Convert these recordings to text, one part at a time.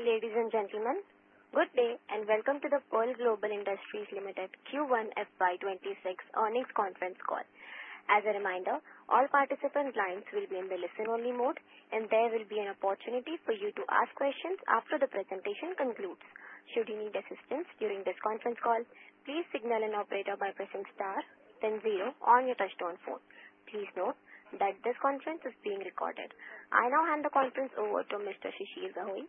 Ladies and gentlemen, good day and welcome to the Pearl Global Industries Limited Q1 FY 2026 earnings conference call. As a reminder, all participants' lines will be in the listen-only mode, and there will be an opportunity for you to ask questions after the presentation concludes. Should you need assistance during this conference call, please signal an operator by pressing star, then zero on your touch-tone phone. Please note that this conference is being recorded. I now hand the conference over to Mr. Shishir Gahoi,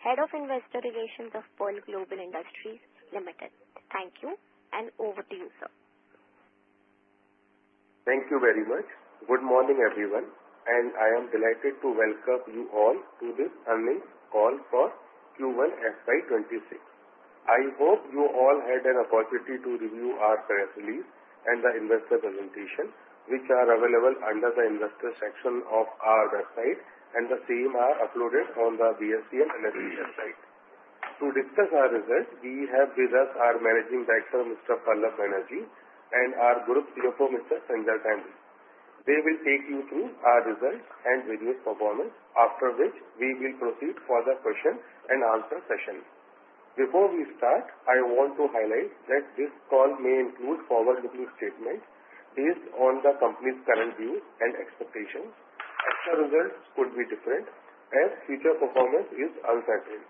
Head of Investor Relations of Pearl Global Industries Limited. Thank you, and over to you, sir. Thank you very much. Good morning, everyone. And I am delighted to welcome you all to this earnings call for Q1 FY 2026. I hope you all had an opportunity to review our press release and the investor presentation, which are available under the investor section of our website, and the same are uploaded on the BSE and NSE website. To discuss our results, we have with us our Managing Director, Mr. Pallab Banerjee, and our Group CFO, Mr. Sanjay Gandhi. They will take you through our results and various performance, after which we will proceed for the question and answer session. Before we start, I want to highlight that this call may include forward-looking statements based on the company's current views and expectations. As the results could be different, as future performance is uncertain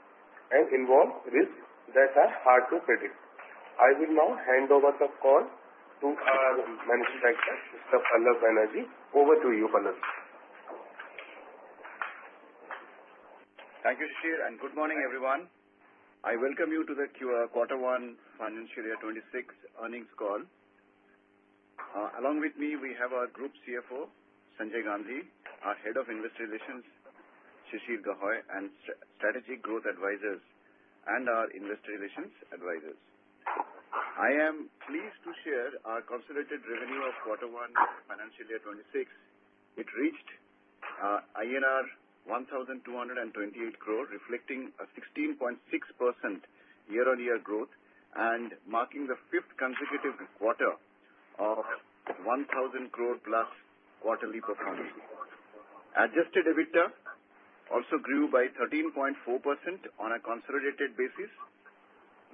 and involves risks that are hard to predict. I will now hand over the call to our Managing Director, Mr. Pallab Banerjee. Over to you, Pallab. Thank you, Shishir, and good morning, everyone. I welcome you to the Q1 Financial Year 2026 Earnings Call. Along with me, we have our Group CFO, Sanjay Gandhi, our Head of Investor Relations, Shishir Gahoi, and Strategic Growth Advisors, and our Investor Relations Advisors. I am pleased to share our consolidated revenue of Q1 Financial Year 2026. It reached INR 1,228 crore, reflecting a 16.6% year-on-year growth and marking the fifth consecutive quarter of 1,000 crore-plus quarterly performance. Adjusted EBITDA also grew by 13.4% on a consolidated basis,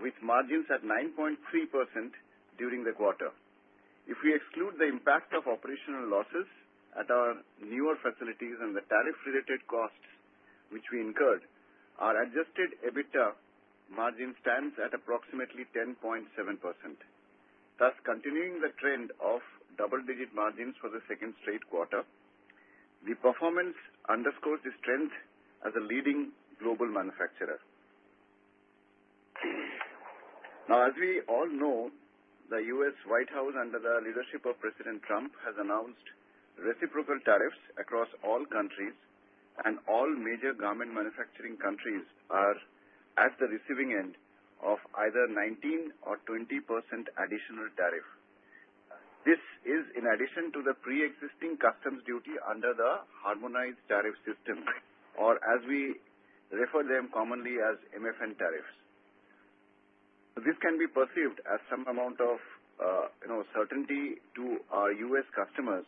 with margins at 9.3% during the quarter. If we exclude the impact of operational losses at our newer facilities and the tariff-related costs which we incurred, our adjusted EBITDA margin stands at approximately 10.7%. Thus, continuing the trend of double-digit margins for the second straight quarter, the performance underscores the strength as a leading global manufacturer. Now, as we all know, the U.S. White House under the leadership of President Trump has announced reciprocal tariffs across all countries, and all major government manufacturing countries are at the receiving end of either 19% or 20% additional tariff. This is in addition to the pre-existing customs duty under the Harmonized Tariff System, or as we refer to them commonly as MFN tariffs. This can be perceived as some amount of certainty to our U.S. customers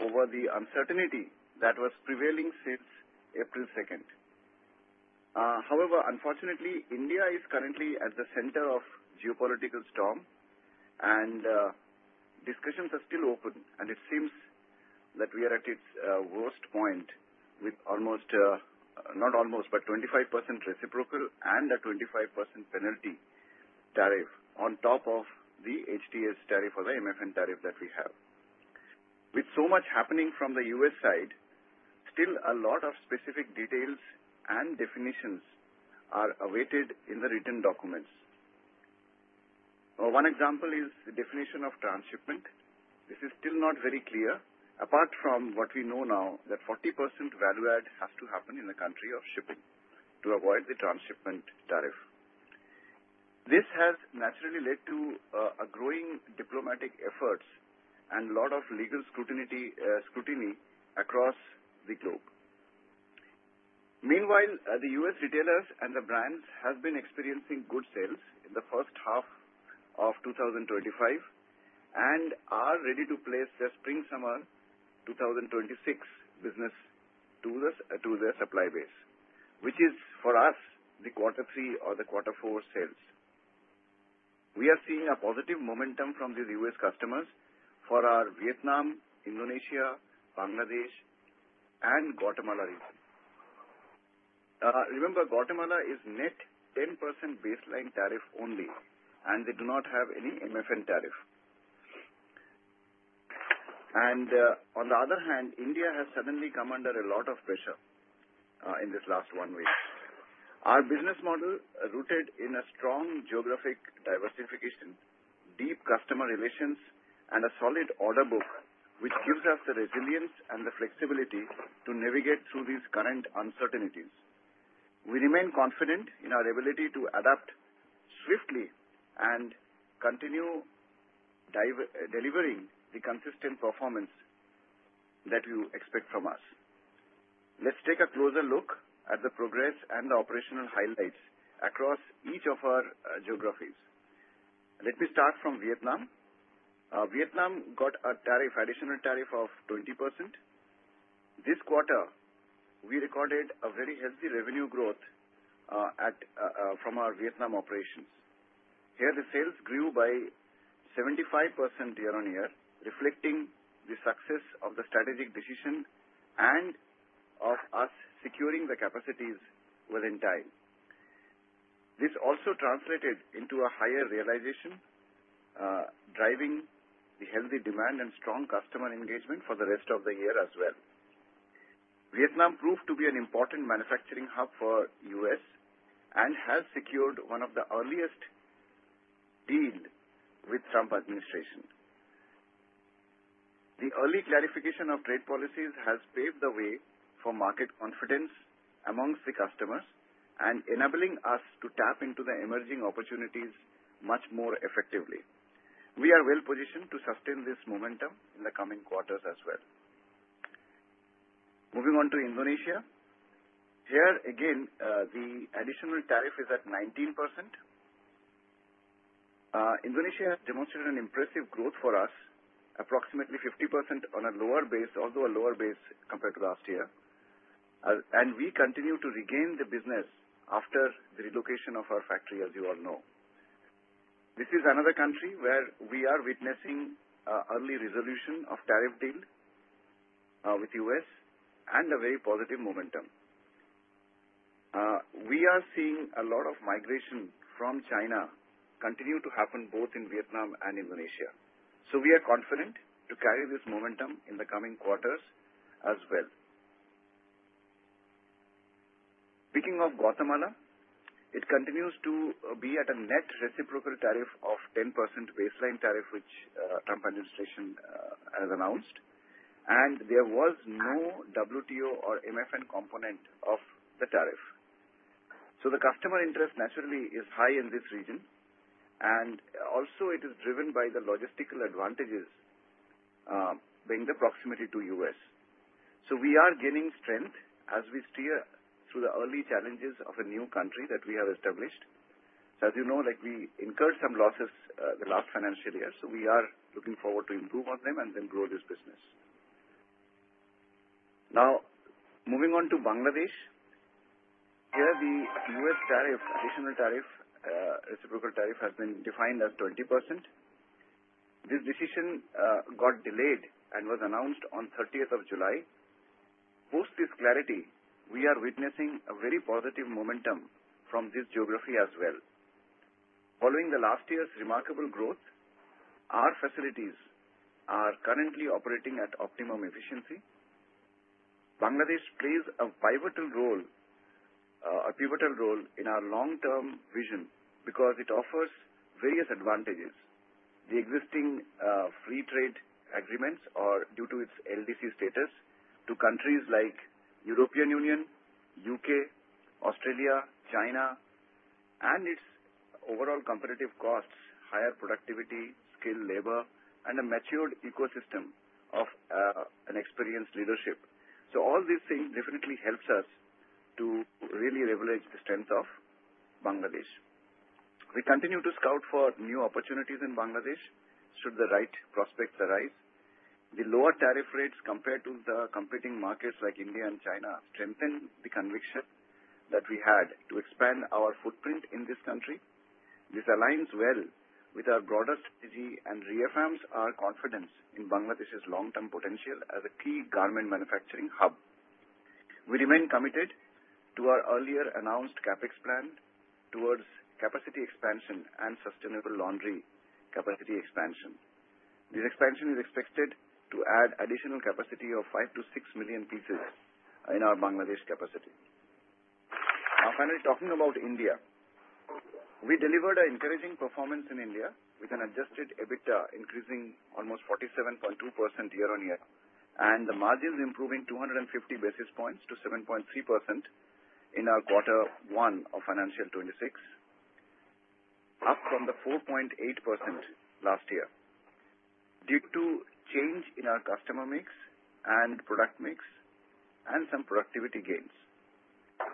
over the uncertainty that was prevailing since April 2nd. However, unfortunately, India is currently at the center of a geopolitical storm, and discussions are still open, and it seems that we are at its worst point with 25% reciprocal and a 25% penalty tariff on top of the HTS tariff or the MFN tariff that we have. With so much happening from the U.S. side, still a lot of specific details and definitions are awaited in the written documents. One example is the definition of transshipment. This is still not very clear, apart from what we know now, that 40% value add has to happen in the country of shipping to avoid the transshipment tariff. This has naturally led to growing diplomatic efforts and a lot of legal scrutiny across the globe. Meanwhile, the U.S. retailers and the brands have been experiencing good sales in the first half of 2025 and are ready to place their Spring-Summer 2026 business to their supply base, which is, for us, the Q3 or the Q4 sales. We are seeing a positive momentum from these U.S. customers for our Vietnam, Indonesia, Bangladesh, and Guatemala region. Remember, Guatemala is net 10% baseline tariff only, and they do not have any MFN tariff. On the other hand, India has suddenly come under a lot of pressure in this last one week. Our business model rooted in a strong geographic diversification, deep customer relations, and a solid order book, which gives us the resilience and the flexibility to navigate through these current uncertainties. We remain confident in our ability to adapt swiftly and continue delivering the consistent performance that you expect from us. Let's take a closer look at the progress and the operational highlights across each of our geographies. Let me start from Vietnam. Vietnam got a tariff, additional tariff of 20%. This quarter, we recorded a very healthy revenue growth from our Vietnam operations. Here, the sales grew by 75% year-on-year, reflecting the success of the strategic decision and of us securing the capacities within time. This also translated into a higher realization, driving the healthy demand and strong customer engagement for the rest of the year as well. Vietnam proved to be an important manufacturing hub for the U.S. and has secured one of the earliest deals with the Trump administration. The early clarification of trade policies has paved the way for market confidence among the customers and enabling us to tap into the emerging opportunities much more effectively. We are well positioned to sustain this momentum in the coming quarters as well. Moving on to Indonesia. Here, again, the additional tariff is at 19%. Indonesia has demonstrated an impressive growth for us, approximately 50% on a lower base, although a lower base compared to last year, and we continue to regain the business after the relocation of our factory, as you all know. This is another country where we are witnessing an early resolution of the tariff deal with the U.S. and a very positive momentum. We are seeing a lot of migration from China continue to happen both in Vietnam and Indonesia, so we are confident to carry this momentum in the coming quarters as well. Speaking of Guatemala, it continues to be at a net reciprocal tariff of 10% baseline tariff, which the Trump administration has announced, and there was no WTO or MFN component of the tariff, so the customer interest naturally is high in this region, and also, it is driven by the logistical advantages being the proximity to the U.S., so we are gaining strength as we steer through the early challenges of a new country that we have established. As you know, we incurred some losses the last financial year. So we are looking forward to improve on them and then grow this business. Now, moving on to Bangladesh. Here, the U.S. tariff, additional tariff, reciprocal tariff has been defined as 20%. This decision got delayed and was announced on the 30th of July. Post this clarity, we are witnessing a very positive momentum from this geography as well. Following the last year's remarkable growth, our facilities are currently operating at optimum efficiency. Bangladesh plays a pivotal role, a pivotal role in our long-term vision because it offers various advantages. The existing free trade agreements are due to its LDC status to countries like the European Union, the U.K., Australia, China, and its overall competitive costs, higher productivity, skilled labor, and a matured ecosystem of an experienced leadership. So all these things definitely help us to really leverage the strength of Bangladesh. We continue to scout for new opportunities in Bangladesh should the right prospects arise. The lower tariff rates compared to the competing markets like India and China strengthen the conviction that we had to expand our footprint in this country. This aligns well with our broader strategy and reaffirms our confidence in Bangladesh's long-term potential as a key garment manufacturing hub. We remain committed to our earlier announced CapEx plan towards capacity expansion and sustainable laundry capacity expansion. This expansion is expected to add additional capacity of five to six million pieces in our Bangladesh capacity. Now, finally, talking about India, we delivered an encouraging performance in India with an Adjusted EBITDA increasing almost 47.2% year-on-year and the margins improving 250 basis points to 7.3% in our Q1 of Financial 26, up from the 4.8% last year due to change in our customer mix and product mix and some productivity gains.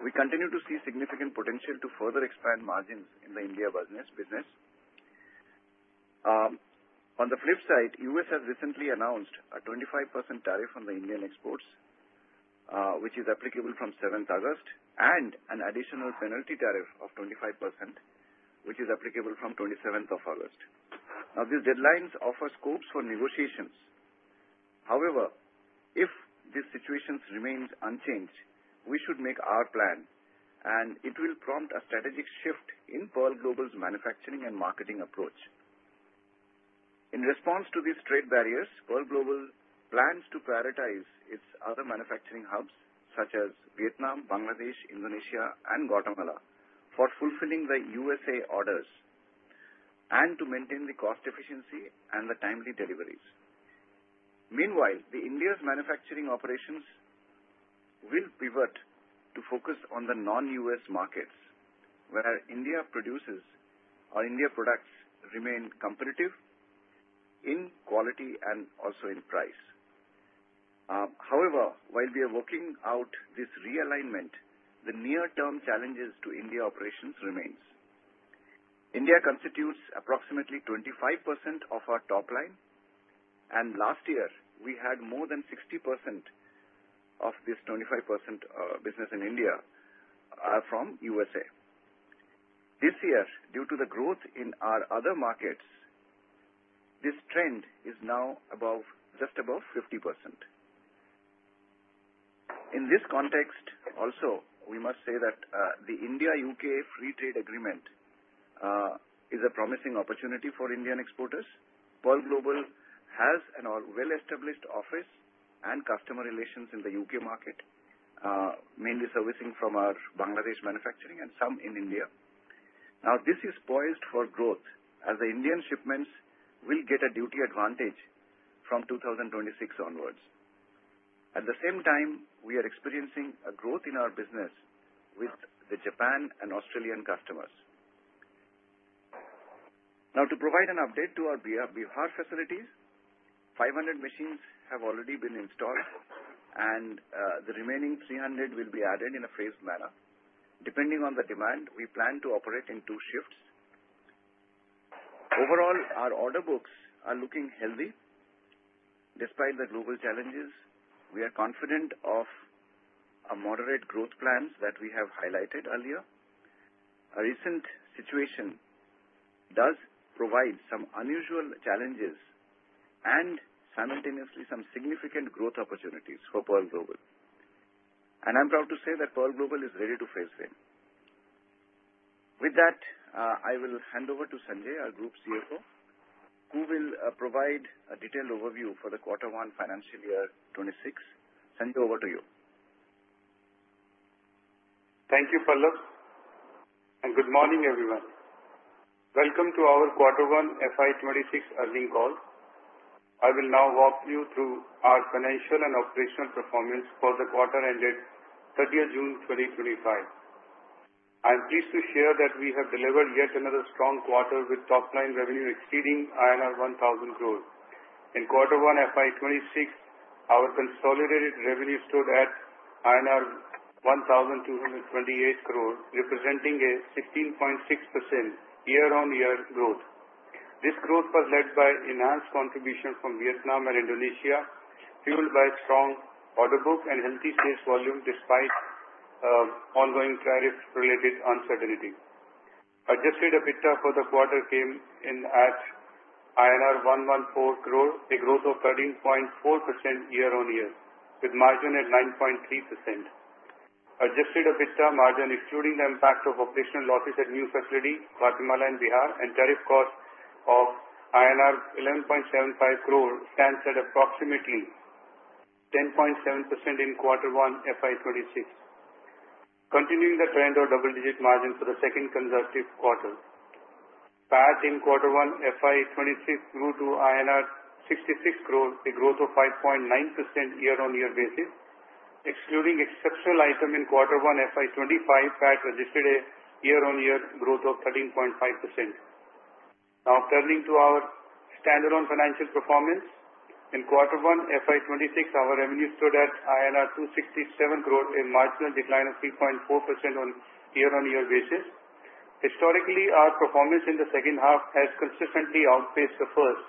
We continue to see significant potential to further expand margins in the India business. On the flip side, the U.S. has recently announced a 25% tariff on the Indian exports, which is applicable from the 7th of August, and an additional penalty tariff of 25%, which is applicable from the 27th of August. Now, these deadlines offer scopes for negotiations. However, if this situation remains unchanged, we should make our plan, and it will prompt a strategic shift in Pearl Global's manufacturing and marketing approach. In response to these trade barriers, Pearl Global plans to prioritize its other manufacturing hubs such as Vietnam, Bangladesh, Indonesia, and Guatemala for fulfilling the USA orders and to maintain the cost efficiency and the timely deliveries. Meanwhile, India's manufacturing operations will pivot to focus on the non-US markets where India produces or Indian products remain competitive in quality and also in price. However, while we are working out this realignment, the near-term challenges to India operations remain. India constitutes approximately 25% of our top line, and last year, we had more than 60% of this 25% business in India from the USA. This year, due to the growth in our other markets, this trend is now just above 50%. In this context, also, we must say that the India-U.K. free trade agreement is a promising opportunity for Indian exporters. Pearl Global has a well-established office and customer relations in the UK market, mainly servicing from our Bangladesh manufacturing and some in India. Now, this is poised for growth as the Indian shipments will get a duty advantage from 2026 onwards. At the same time, we are experiencing a growth in our business with the Japan and Australian customers. Now, to provide an update to our Bihar facilities, 500 machines have already been installed, and the remaining 300 will be added in a phased manner. Depending on the demand, we plan to operate in two shifts. Overall, our order books are looking healthy. Despite the global challenges, we are confident of our moderate growth plans that we have highlighted earlier. A recent situation does provide some unusual challenges and simultaneously some significant growth opportunities for Pearl Global, and I'm proud to say that Pearl Global is ready to phase in. With that, I will hand over to Sanjay, our Group CFO, who will provide a detailed overview for the Q1 Financial Year 2026. Sanjay, over to you. Thank you, Pallab, and good morning, everyone. Welcome to our Q1 FY 2026 earnings call. I will now walk you through our financial and operational performance for the quarter ended 30th of June 2025. I'm pleased to share that we have delivered yet another strong quarter with top-line revenue exceeding INR 1,000 crore. In Q1 FY 2026, our consolidated revenue stood at INR 1,228 crore, representing a 16.6% year-on-year growth. This growth was led by enhanced contribution from Vietnam and Indonesia, fueled by strong order book and healthy sales volume despite ongoing tariff-related uncertainty. Adjusted EBITDA for the quarter came in at INR 114 crore, a growth of 13.4% year-on-year, with margin at 9.3%. Adjusted EBITDA margin, excluding the impact of operational losses at new facilities, Guatemala and Bihar, and tariff cost of INR 11.75 crore, stands at approximately 10.7% in Q1 FY 2026, continuing the trend of double-digit margin for the second consecutive quarter. PAT in Q1 FY 2026 grew to 66 crore, a growth of 5.9% year-on-year basis. Excluding exceptional item in Q1 FY 2025, PAT registered a year-on-year growth of 13.5%. Now, turning to our standalone financial performance. In Q1 FY 2026, our revenue stood at INR 267 crore, a marginal decline of 3.4% on a year-on-year basis. Historically, our performance in the second half has consistently outpaced the first.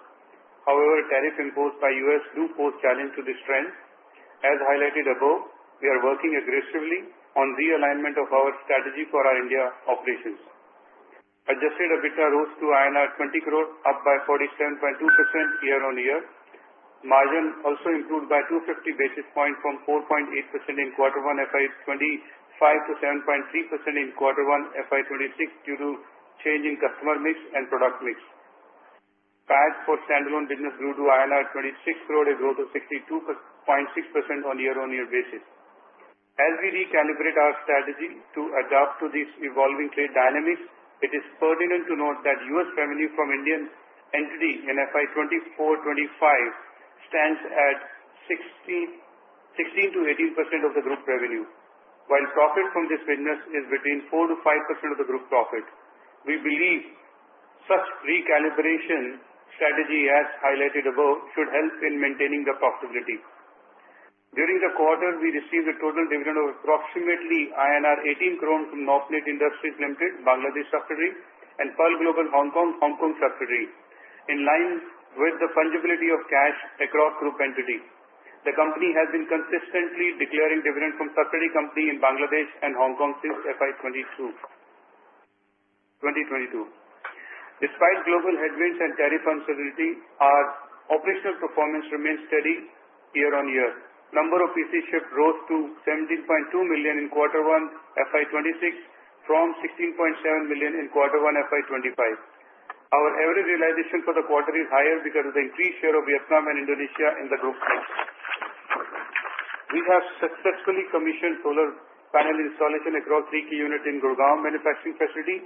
However, tariffs imposed by the U.S. do pose a challenge to this trend. As highlighted above, we are working aggressively on realignment of our strategy for our India operations. Adjusted EBITDA rose to INR 20 crore, up by 47.2% year-on-year. Margin also improved by 250 basis points from 4.8% in Q1 FY 2025 to 7.3% in Q1 FY 2026 due to changing customer mix and product mix. PAT for standalone business grew to 26 crore, a growth of 62.6% on a year-on-year basis. As we recalibrate our strategy to adapt to these evolving trade dynamics, it is pertinent to note that U.S. revenue from Indian entity in FY 2024-2025 stands at 16% to 18% of the group revenue, while profit from this business is between 4% to 5% of the group profit. We believe such recalibration strategy, as highlighted above, should help in maintaining the profitability. During the quarter, we received a total dividend of approximately INR 18 crore from Norp Knit Industries Limited, Bangladesh subsidiary, and Pearl Global Hong Kong, Hong Kong subsidiary, in line with the fungibility of cash across group entities. The company has been consistently declaring dividends from subsidiary companies in Bangladesh and Hong Kong since FY 2022. Despite global headwinds and tariff uncertainty, our operational performance remains steady year-on-year. The number of PC shipped rose to 17.2 million in Q1 FY 2026 from 16.7 million in Q1 FY 2025. Our average realization for the quarter is higher because of the increased share of Vietnam and Indonesia in the group. We have successfully commissioned solar panel installation across three key units in Gurgaon manufacturing facility,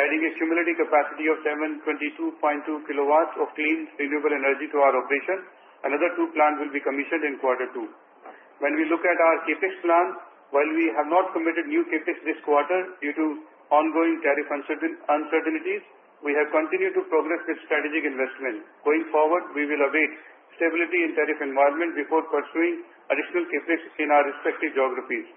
adding a cumulative capacity of 722.2 kilowatts of clean renewable energy to our operation. Another two plants will be commissioned in Q2. When we look at our CapEx plan, while we have not committed new CapEx this quarter due to ongoing tariff uncertainties, we have continued to progress with strategic investment. Going forward, we will await stability in the tariff environment before pursuing additional CapEx in our respective geographies.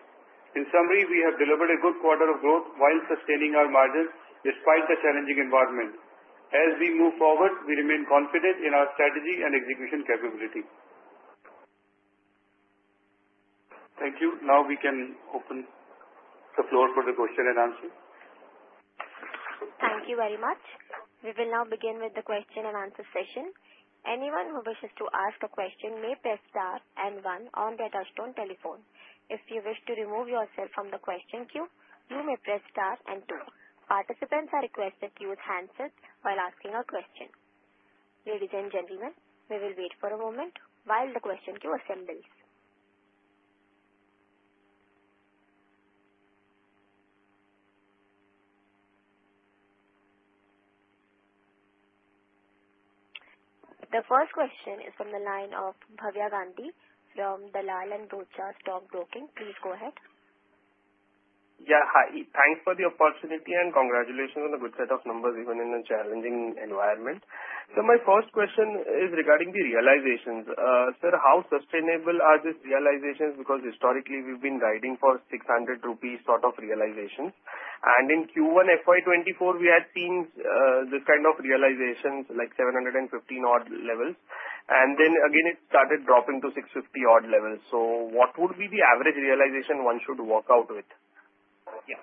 In summary, we have delivered a good quarter of growth while sustaining our margins despite the challenging environment. As we move forward, we remain confident in our strategy and execution capability. Thank you. Now, we can open the floor for the question and answer. Thank you very much. We will now begin with the question and answer session. Anyone who wishes to ask a question may press star and one on their touch-tone telephone. If you wish to remove yourself from the question queue, you may press star and two. Participants are requested to use handsets while asking a question. Ladies and gentlemen, we will wait for a moment while the question queue assembles. The first question is from the line of Bhavya Gandhi from Dalal & Broacha Stock Broking. Please go ahead. Yeah, hi. Thanks for the opportunity and congratulations on a good set of numbers, even in a challenging environment. So my first question is regarding the realizations. Sir, how sustainable are these realizations? Because historically, we've been riding for 600 rupees sort of realizations. And in Q1 FY 2024, we had seen this kind of realizations like 750 odd levels. And then again, it started dropping to 650 odd levels. So what would be the average realization one should walk out with? Yeah.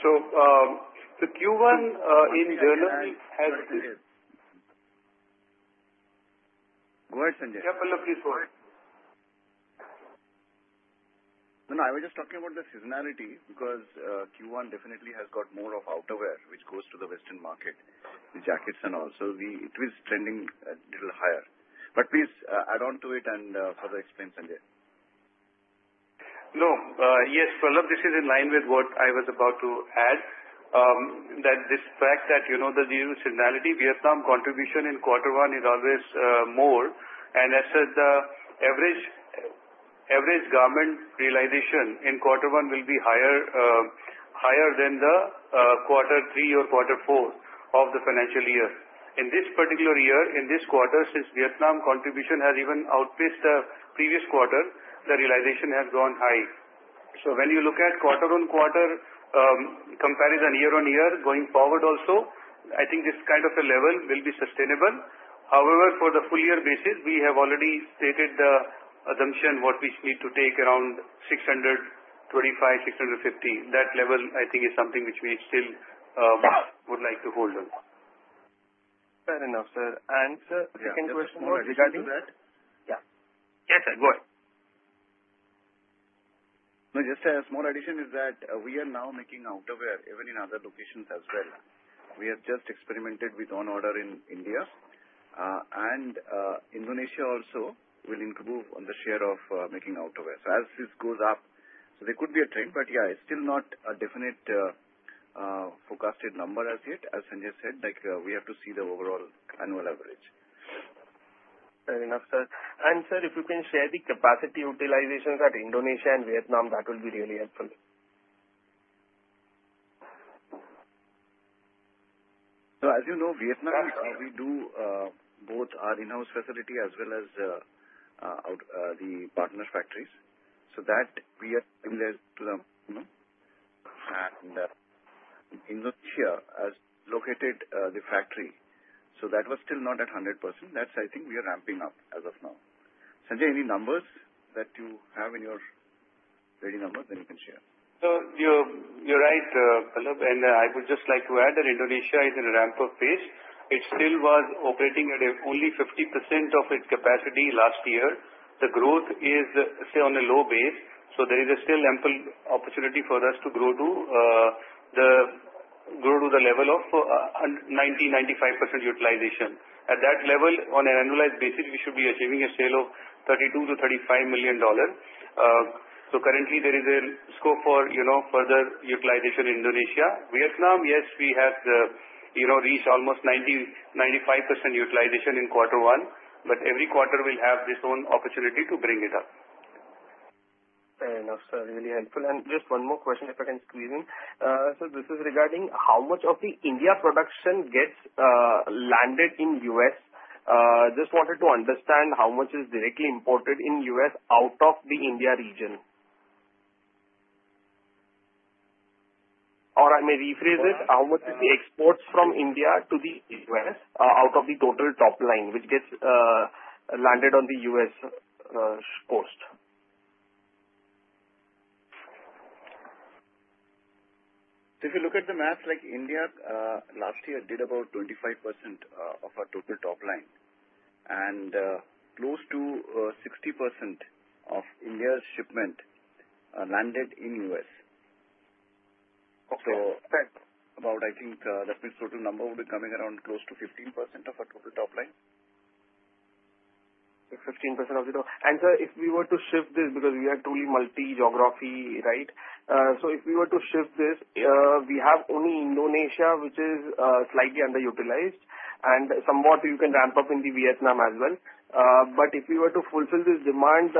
So the Q1 in general has. Go ahead, Sanjay. Yeah, Pallab, please go ahead. No, no. I was just talking about the seasonality because Q1 definitely has got more of outerwear, which goes to the Western market, the jackets and all. So it was trending a little higher. But please add on to it and further explain, Sanjay. No. Yes, Pearl, this is in line with what I was about to add, that this fact that the seasonality, Vietnam contribution in Q1 is always more. And as said, the average garment realization in Q1 will be higher than the Q3 or Q4 of the financial year. In this particular year, in this quarter, since Vietnam contribution has even outpaced the previous quarter, the realization has gone high. So when you look at quarter-on-quarter comparison year-on-year going forward also, I think this kind of a level will be sustainable. However, for the full-year basis, we have already stated the assumption what we need to take around 625-650. That level, I think, is something which we still would like to hold on. Fair enough, sir. And sir, second question regarding. Yeah. Yes, sir. Go ahead. No, just a small addition is that we are now making outerwear even in other locations as well. We have just experimented with on-order in India, and Indonesia also will improve on the share of making outerwear. So as this goes up, so there could be a trend, but yeah, it's still not a definite forecasted number as yet. As Sanjay said, we have to see the overall annual average. Fair enough, sir. And sir, if you can share the capacity utilizations at Indonesia and Vietnam, that would be really helpful. So as you know, Vietnam, we do both our in-house facility as well as the partner factories. So that we are similar to them. And in India, as located the factory, so that was still not at 100%. That's, I think, we are ramping up as of now. Sanjay, any numbers that you have in your ready numbers, then you can share. You're right, Pearl. I would just like to add that Indonesia is in a ramp-up phase. It still was operating at only 50% of its capacity last year. The growth is, say, on a low base. There is still ample opportunity for us to grow to the level of 90%-95% utilization. At that level, on an annualized basis, we should be achieving a sale of $32-$35 million. Currently, there is a scope for further utilization in Indonesia. Vietnam, yes, we have reached almost 90%-95% utilization in Q1, but every quarter we'll have this own opportunity to bring it up. Fair enough, sir. Really helpful. Just one more question, if I can squeeze in. This is regarding how much of the India production gets landed in the US. Just wanted to understand how much is directly imported in the US out of the India region. Or I may rephrase it. How much is the exports from India to the US out of the total top line, which gets landed on the US post? So if you look at the math, like India last year did about 25% of our total top line, and close to 60% of India's shipment landed in the US. So about, I think, that means total number would be coming around close to 15% of our total top line. 15% of the top. And sir, if we were to shift this because we are truly multi-geography, right? So if we were to shift this, we have only Indonesia, which is slightly underutilized, and somewhat you can ramp up in the Vietnam as well. But if we were to fulfill this demand,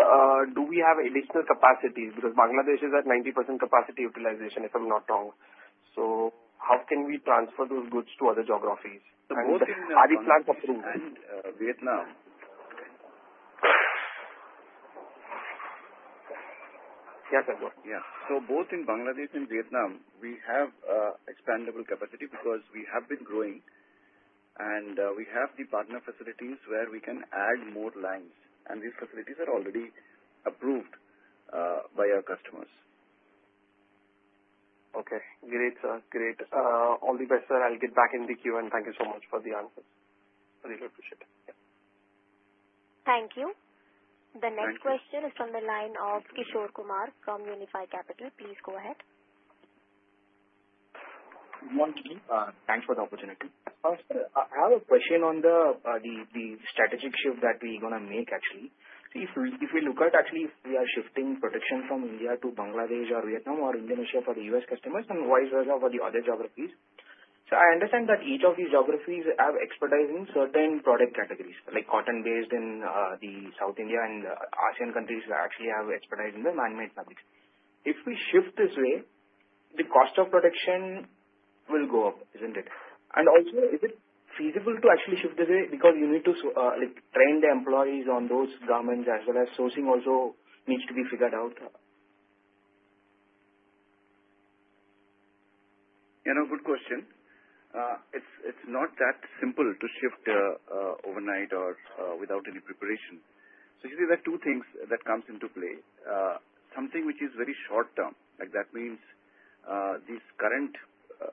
do we have additional capacity? Because Bangladesh is at 90% capacity utilization, if I'm not wrong. So how can we transfer those goods to other geographies? So both in, are these plants approved? And Vietnam. Yes, sir. Go ahead. Yeah. So both in Bangladesh and Vietnam, we have expandable capacity because we have been growing, and we have the partner facilities where we can add more lines. And these facilities are already approved by our customers. Okay. Great, sir. Great. All the best, sir. I'll get back in the queue, and thank you so much for the answers. Really appreciate it. Thank you. The next question is from the line of Kishore Kumar from Unifi Capital. Please go ahead. Thanks for the opportunity. I have a question on the strategic shift that we're going to make, actually. If we look at, actually, if we are shifting production from India to Bangladesh or Vietnam or Indonesia for the U.S. customers and vice versa for the other geographies, so I understand that each of these geographies have expertise in certain product categories, like cotton-based in the South India and the ASEAN countries actually have expertise in the man-made fabrics. If we shift this way, the cost of production will go up, isn't it? And also, is it feasible to actually shift this way? Because you need to train the employees on those garments, as well as sourcing also needs to be figured out. Good question. It's not that simple to shift overnight or without any preparation. So you see there are two things that come into play. Something which is very short-term, like, that means this current,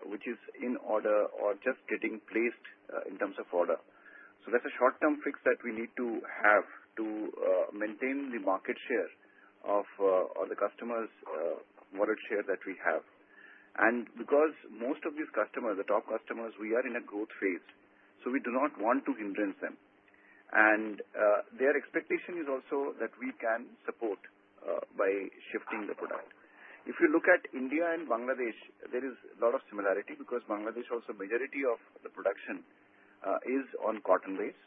which is in order or just getting placed in terms of order. So that's a short-term fix that we need to have to maintain the market share of the customers' voluntary share that we have. And because most of these customers, the top customers, we are in a growth phase, so we do not want to hinder them. And their expectation is also that we can support by shifting the product. If you look at India and Bangladesh, there is a lot of similarity because Bangladesh, also, the majority of the production is on cotton-based.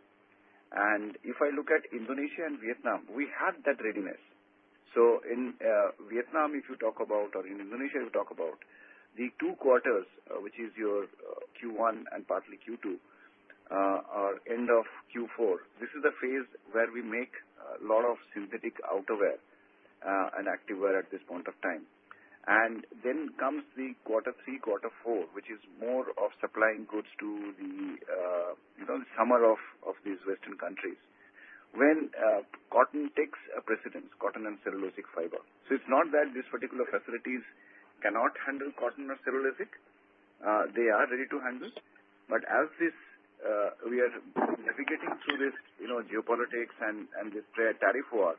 And if I look at Indonesia and Vietnam, we have that readiness. In Vietnam, if you talk about, or in Indonesia, if you talk about, the two quarters, which is your Q1 and partly Q2, or end of Q4, this is the phase where we make a lot of synthetic outerwear and active wear at this point of time. And then comes the Q3, Q4, which is more of supplying goods to the summer of these Western countries when cotton takes precedence, cotton and cellulosic fiber. So it's not that these particular facilities cannot handle cotton or cellulosic. They are ready to handle. But as we are navigating through this geopolitics and this tariff war,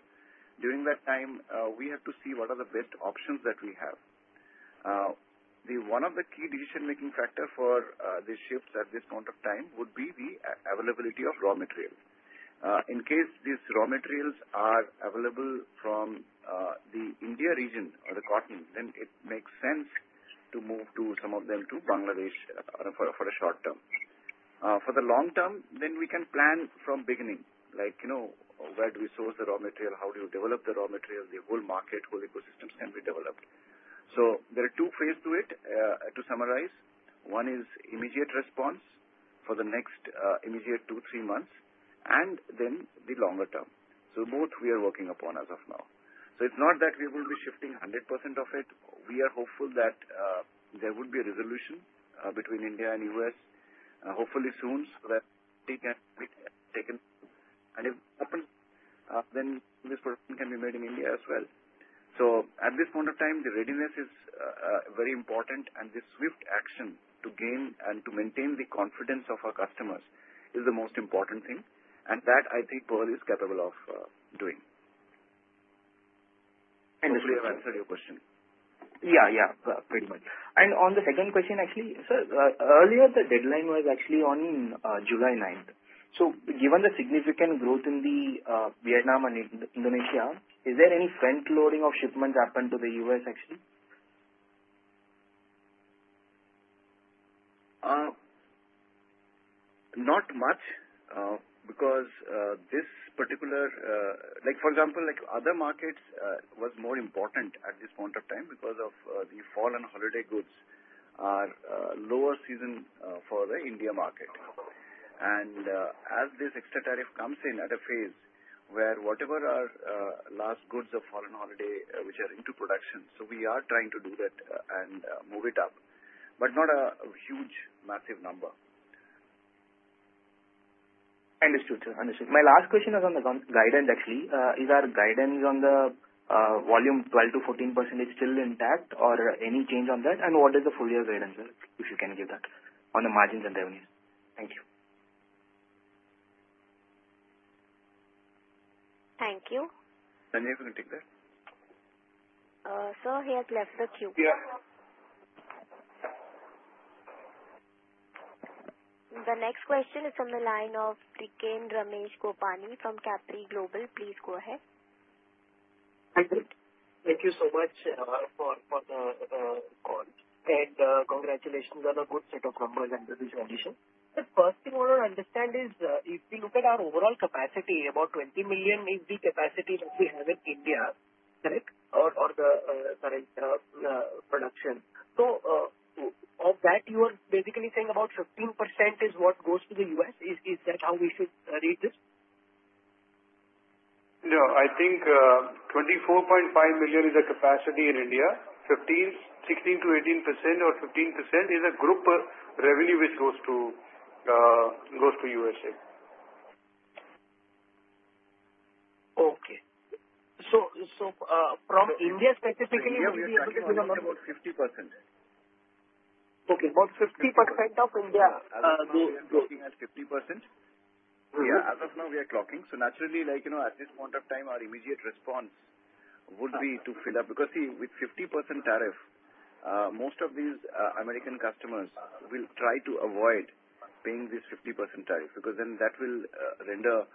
during that time, we have to see what are the best options that we have. One of the key decision-making factors for the shifts at this point of time would be the availability of raw materials. In case these raw materials are available from the India region or the cotton, then it makes sense to move some of them to Bangladesh for a short term. For the long term, then we can plan from beginning, like where do we source the raw material, how do you develop the raw materials, the whole market, whole ecosystems can be developed. So there are two phases to it. To summarize, one is immediate response for the next immediate two, three months, and then the longer term. So both we are working upon as of now. So it's not that we will be shifting 100% of it. We are hopeful that there would be a resolution between India and U.S., hopefully soon, so that we can take it, and if it happens, then this production can be made in India as well. At this point of time, the readiness is very important, and this swift action to gain and to maintain the confidence of our customers is the most important thing. And that, I think, Pearl is capable of doing. Hopefully, I've answered your question. Yeah, yeah. Pretty much. And on the second question, actually, sir, earlier, the deadline was actually on July 9th. So given the significant growth in Vietnam and Indonesia, is there any front-loading of shipments happened to the U.S., actually? Not much because this particular, for example, other markets were more important at this point of time because of the fall and holiday goods are lower season for the India market and as this extra tariff comes in at a phase where whatever our last goods of fall and holiday, which are into production, so we are trying to do that and move it up, but not a huge, massive number. Understood. Understood. My last question was on the guidance, actually. Is our guidance on the volume 12%-14% still intact, or any change on that? And what is the full-year guidance, if you can give that, on the margins and revenues? Thank you. Thank you. Sanjay, if you can take that. Sir, he has left the queue. The next question is from the line of Riken Ramesh Gopani from Capri Global. Please go ahead. Thank you. Thank you so much for the call and congratulations on a good set of numbers and the visual edition. The first thing I want to understand is, if we look at our overall capacity, about 20 million is the capacity that we have in India, correct? Or the current production. So of that, you are basically saying about 15% is what goes to the US. Is that how we should read this? No. I think 24.5 million is the capacity in India. 16%-18% or 15% is a group revenue which goes to USA. Okay. So from India specifically. We are looking at about 50%. Okay. About 50% of India. As of now, we are clocking. So naturally, at this point of time, our immediate response would be to fill up. Because see, with 50% tariff, most of these American customers will try to avoid paying this 50% tariff because then that will render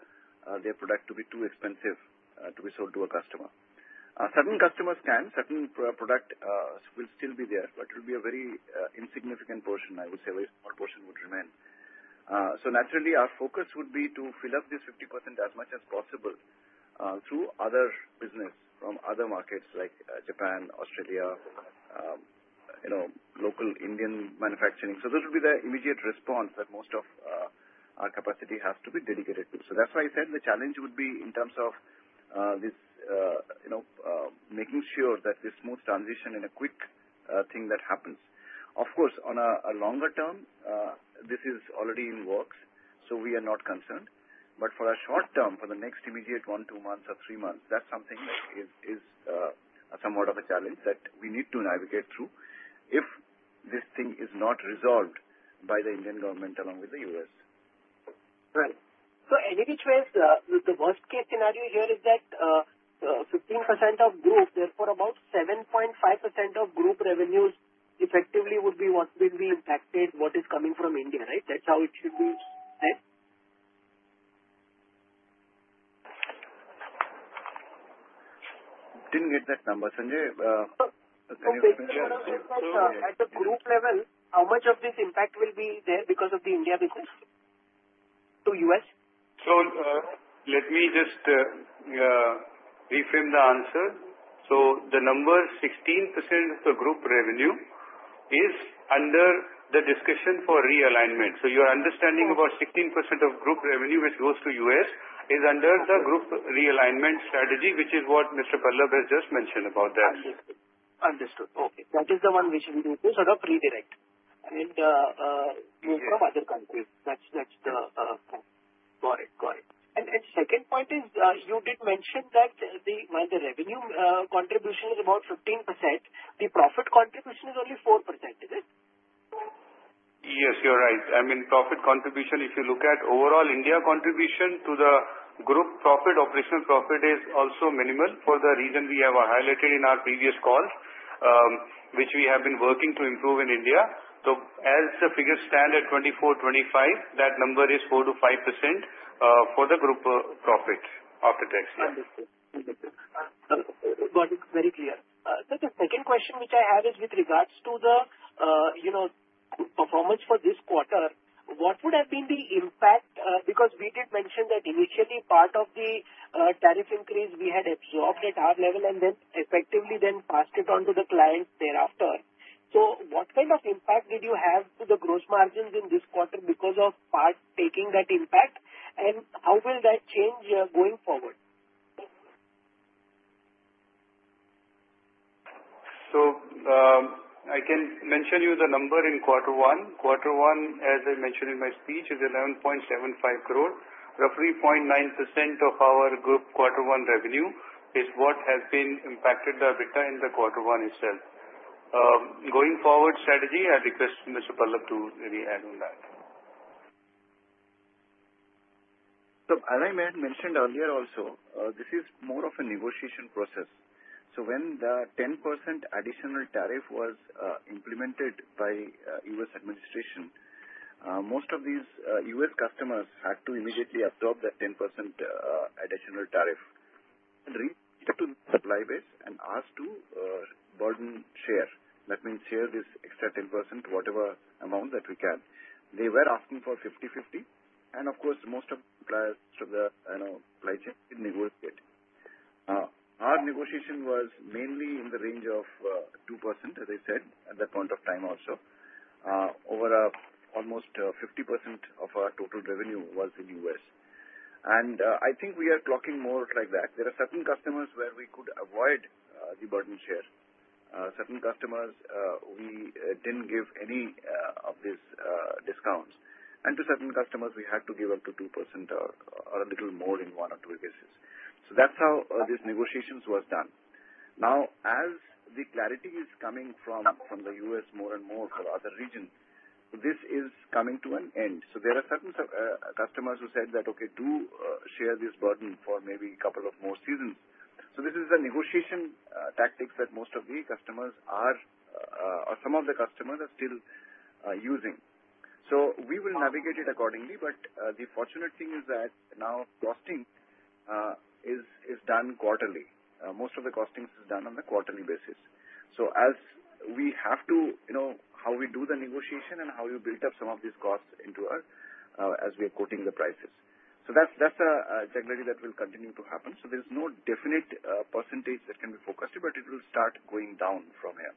their product to be too expensive to be sold to a customer. Certain customers can. Certain product will still be there, but it will be a very insignificant portion. I would say a very small portion would remain. So naturally, our focus would be to fill up this 50% as much as possible through other business from other markets like Japan, Australia, local Indian manufacturing. So that would be the immediate response that most of our capacity has to be dedicated to. So that's why I said the challenge would be in terms of this making sure that this smooth transition in a quick thing that happens. Of course, on a longer term, this is already in works, so we are not concerned. But for a short term, for the next immediate one, two months, or three months, that's something that is somewhat of a challenge that we need to navigate through if this thing is not resolved by the Indian government along with the U.S. Right. So any which way, the worst-case scenario here is that 15% of growth, therefore about 7.5% of group revenues effectively would be impacted what is coming from India, right? That's how it should be said? Didn't get that number, Sanjay. Can you explain that? At the group level, how much of this impact will be there because of the India business to U.S.? So let me just reframe the answer. So the number 16% of the group revenue is under the discussion for realignment. So your understanding about 16% of group revenue which goes to U.S. is under the group realignment strategy, which is what Mr. Pallab has just mentioned about that. Understood. Okay. That is the one which we need to sort of redirect and move from other countries. That's the point. Got it. Got it. And second point is, you did mention that while the revenue contribution is about 15%, the profit contribution is only 4%, is it? Yes, you're right. I mean, profit contribution, if you look at overall India contribution to the group profit, operational profit is also minimal for the reason we have highlighted in our previous call, which we have been working to improve in India. So as the figures stand at 2024, 2025, that number is 4%-5% for the group profit after tax. Understood. Understood. Got it. Very clear. So the second question which I have is with regards to the performance for this quarter, what would have been the impact? Because we did mention that initially part of the tariff increase we had absorbed at our level and then effectively then passed it on to the clients thereafter. So what kind of impact did you have to the gross margins in this quarter because of partaking that impact? And how will that change going forward? So I can mention you the number in quarter one. Quarter one, as I mentioned in my speech, is 11.75 crore. Roughly 0.9% of our group quarter one revenue is what has been impacted the tariff in the quarter one itself. Going forward strategy, I request Mr. Pallab to really add on that. So as I mentioned earlier also, this is more of a negotiation process. So when the 10% additional tariff was implemented by US administration, most of these US customers had to immediately absorb that 10% additional tariff and reached to the supply base and asked to burden share. That means share this extra 10%, whatever amount that we can. They were asking for 50/50. And of course, most of the suppliers from the supply chain did negotiate. Our negotiation was mainly in the range of 2%, as I said, at that point of time also. Over almost 50% of our total revenue was in US. And I think we are clocking more like that. There are certain customers where we could avoid the burden share. Certain customers, we didn't give any of these discounts. And to certain customers, we had to give up to 2% or a little more in one or two cases. So that's how this negotiation was done. Now, as the clarity is coming from the US more and more for other regions, this is coming to an end. So there are certain customers who said that, "Okay, do share this burden for maybe a couple of more seasons." So this is the negotiation tactics that most of the customers are, or some of the customers are still using. So we will navigate it accordingly. But the fortunate thing is that now costing is done quarterly. Most of the costing is done on the quarterly basis. So as we have to how we do the negotiation and how we build up some of these costs into our as we are quoting the prices. So that's a regularity that will continue to happen. So there's no definite percentage that can be focused, but it will start going down from here.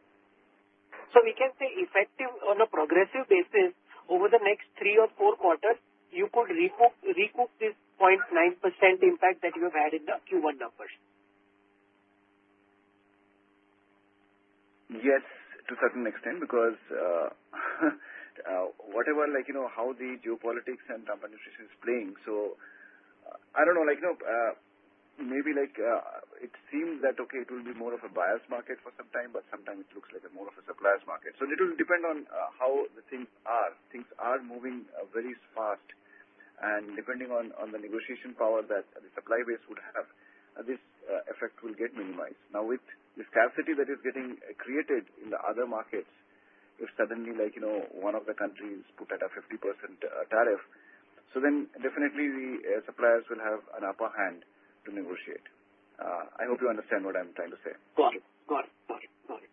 So we can say effective on a progressive basis, over the next three or four quarters, you could recoup this 0.9% impact that you have had in the Q1 numbers? Yes, to a certain extent, because whatever how the geopolitics and administration is playing. So I don't know. Maybe it seems that, okay, it will be more of a biased market for some time, but sometimes it looks like more of a supplier's market. So it will depend on how the things are. Things are moving very fast. And depending on the negotiation power that the supply base would have, this effect will get minimized. Now, with the scarcity that is getting created in the other markets, if suddenly one of the countries put at a 50% tariff, so then definitely the suppliers will have an upper hand to negotiate. I hope you understand what I'm trying to say. Got it. Got it. Got it. Got it.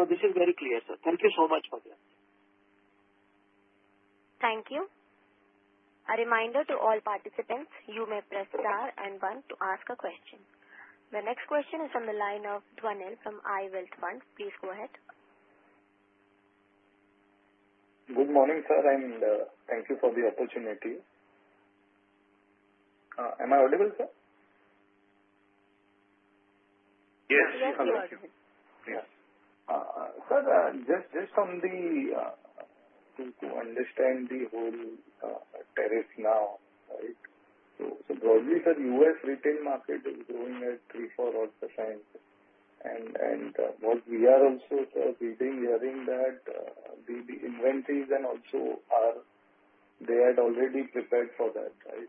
So this is very clear, sir. Thank you so much for the answer. Thank you. A reminder to all participants, you may press star and one to ask a question. The next question is from the line of Darnell from iWealth Fund. Please go ahead. Good morning, sir, and thank you for the opportunity. Am I audible, sir? Yes. Sir, just want to understand the whole tariffs now, right? So broadly, sir, U.S. retail market is growing at 3-4%. And what we are also, sir, reading, hearing that the inventories, and also, have they already prepared for that, right?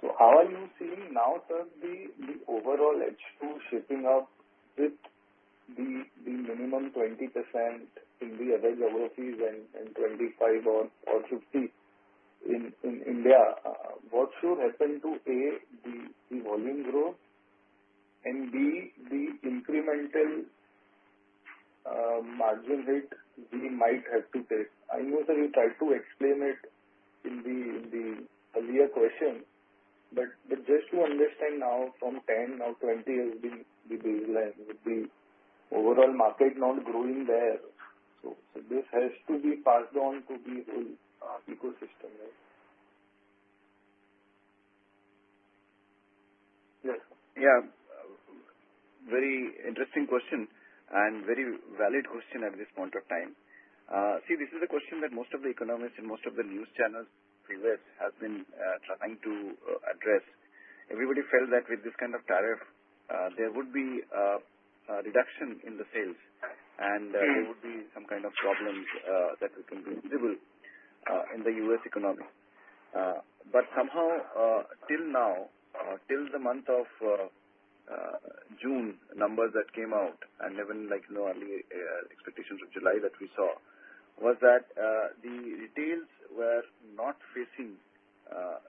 So how are you seeing now, sir, the overall edge to shipping up with the minimum 20% in the other geographies and 25% or 50% in India? What should happen to, A, the volume growth, and B, the incremental margin hit we might have to take? I know, sir, you tried to explain it in the earlier question, but just to understand now, from 10% or 20% has been the baseline, the overall market not growing there. So this has to be passed on to the whole ecosystem, right? Yes. Yeah. Very interesting question and very valid question at this point of time. See, this is a question that most of the economists and most of the news channels U.S. have been trying to address. Everybody felt that with this kind of tariff, there would be a reduction in the sales, and there would be some kind of problems that we can be visible in the U.S. economy. But somehow, till now, till the month of June, numbers that came out, and even early expectations of July that we saw, was that the retailers were not facing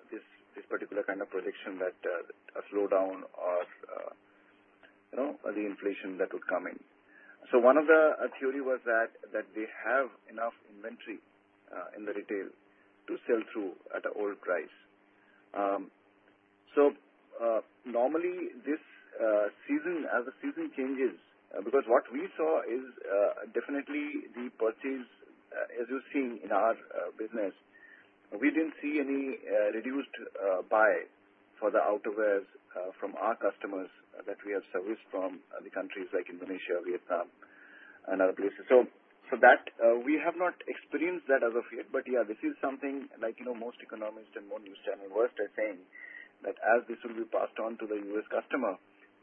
this particular kind of prediction that a slowdown or the inflation that would come in. So one of the theories was that they have enough inventory in the retail to sell through at an old price. So normally, as the season changes, because what we saw is definitely the purchase, as you're seeing in our business, we didn't see any reduced buy for the outerwear from our customers that we have serviced from the countries like Indonesia, Vietnam, and other places. So we have not experienced that as of yet. But yeah, this is something most economists and more news channels are saying that as this will be passed on to the U.S. customer,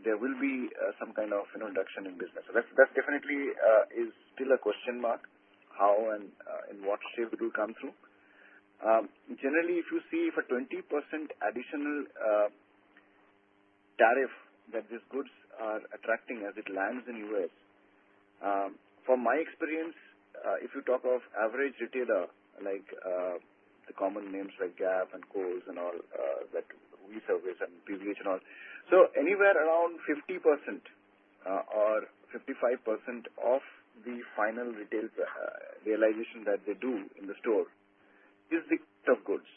there will be some kind of reduction in business. So that definitely is still a question mark, how and in what shape it will come through. Generally, if you see for 20% additional tariff that these goods are attracting as it lands in the U.S., from my experience, if you talk of average retailer, like the common names like GAP and Kohl's and all that we service and PVH and all, so anywhere around 50% or 55% of the final retail realization that they do in the store is the goods.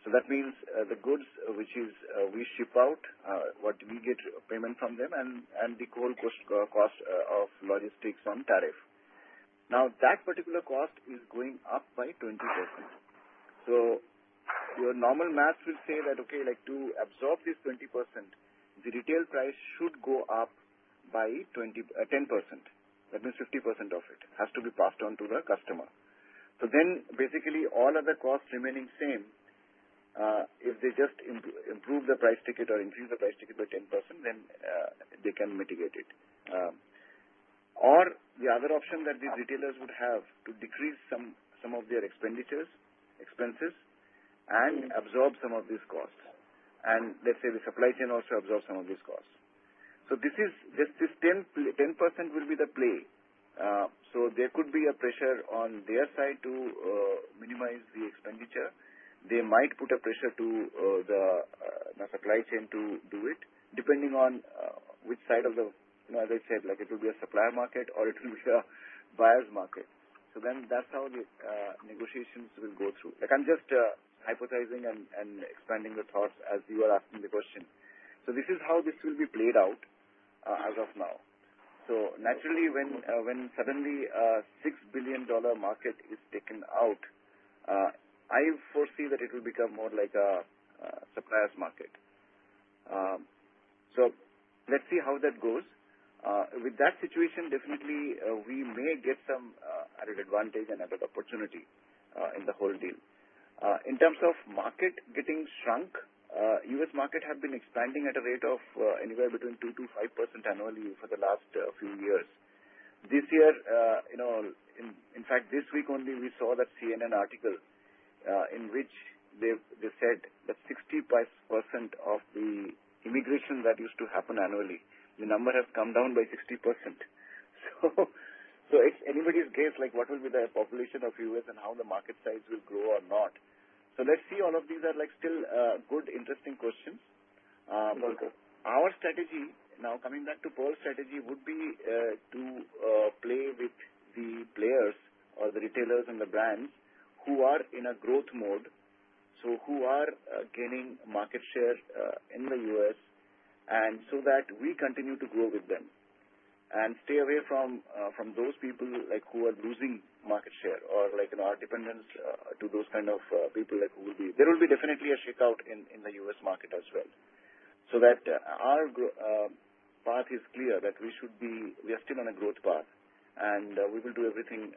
So that means the goods which we ship out, what we get payment from them, and the whole cost of logistics on tariff. Now, that particular cost is going up by 20%. Your normal math will say that, okay, to absorb this 20%, the retail price should go up by 10%. That means 50% of it has to be passed on to the customer. Then basically, all other costs remaining same, if they just improve the price ticket or increase the price ticket by 10%, then they can mitigate it. Or the other option that these retailers would have to decrease some of their expenditures, expenses, and absorb some of these costs. And let's say the supply chain also absorbs some of these costs. This is just this 10% will be the play. There could be a pressure on their side to minimize the expenditure. They might put a pressure to the supply chain to do it, depending on which side of the, as I said, it will be a supplier market or it will be a buyer's market. So then that's how the negotiations will go through. I'm just hypothesizing and expanding the thoughts as you are asking the question. So this is how this will be played out as of now. So naturally, when suddenly a $6 billion market is taken out, I foresee that it will become more like a supplier's market. So let's see how that goes. With that situation, definitely, we may get some added advantage and added opportunity in the whole deal. In terms of market getting shrunk, U.S. market has been expanding at a rate of anywhere between 2% to 5% annually for the last few years. This year, in fact, this week only, we saw that CNN article in which they said that 60% of the immigration that used to happen annually, the number has come down by 60%. So it's anybody's guess what will be the population of U.S. and how the market size will grow or not. So let's see all of these are still good, interesting questions. Our strategy, now coming back to Pearl's strategy, would be to play with the players or the retailers and the brands who are in a growth mode, so who are gaining market share in the U.S., and so that we continue to grow with them and stay away from those people who are losing market share or our dependence to those kind of people. There will be definitely a shakeout in the U.S. market as well. So that our path is clear that we should be we are still on a growth path, and we will do everything.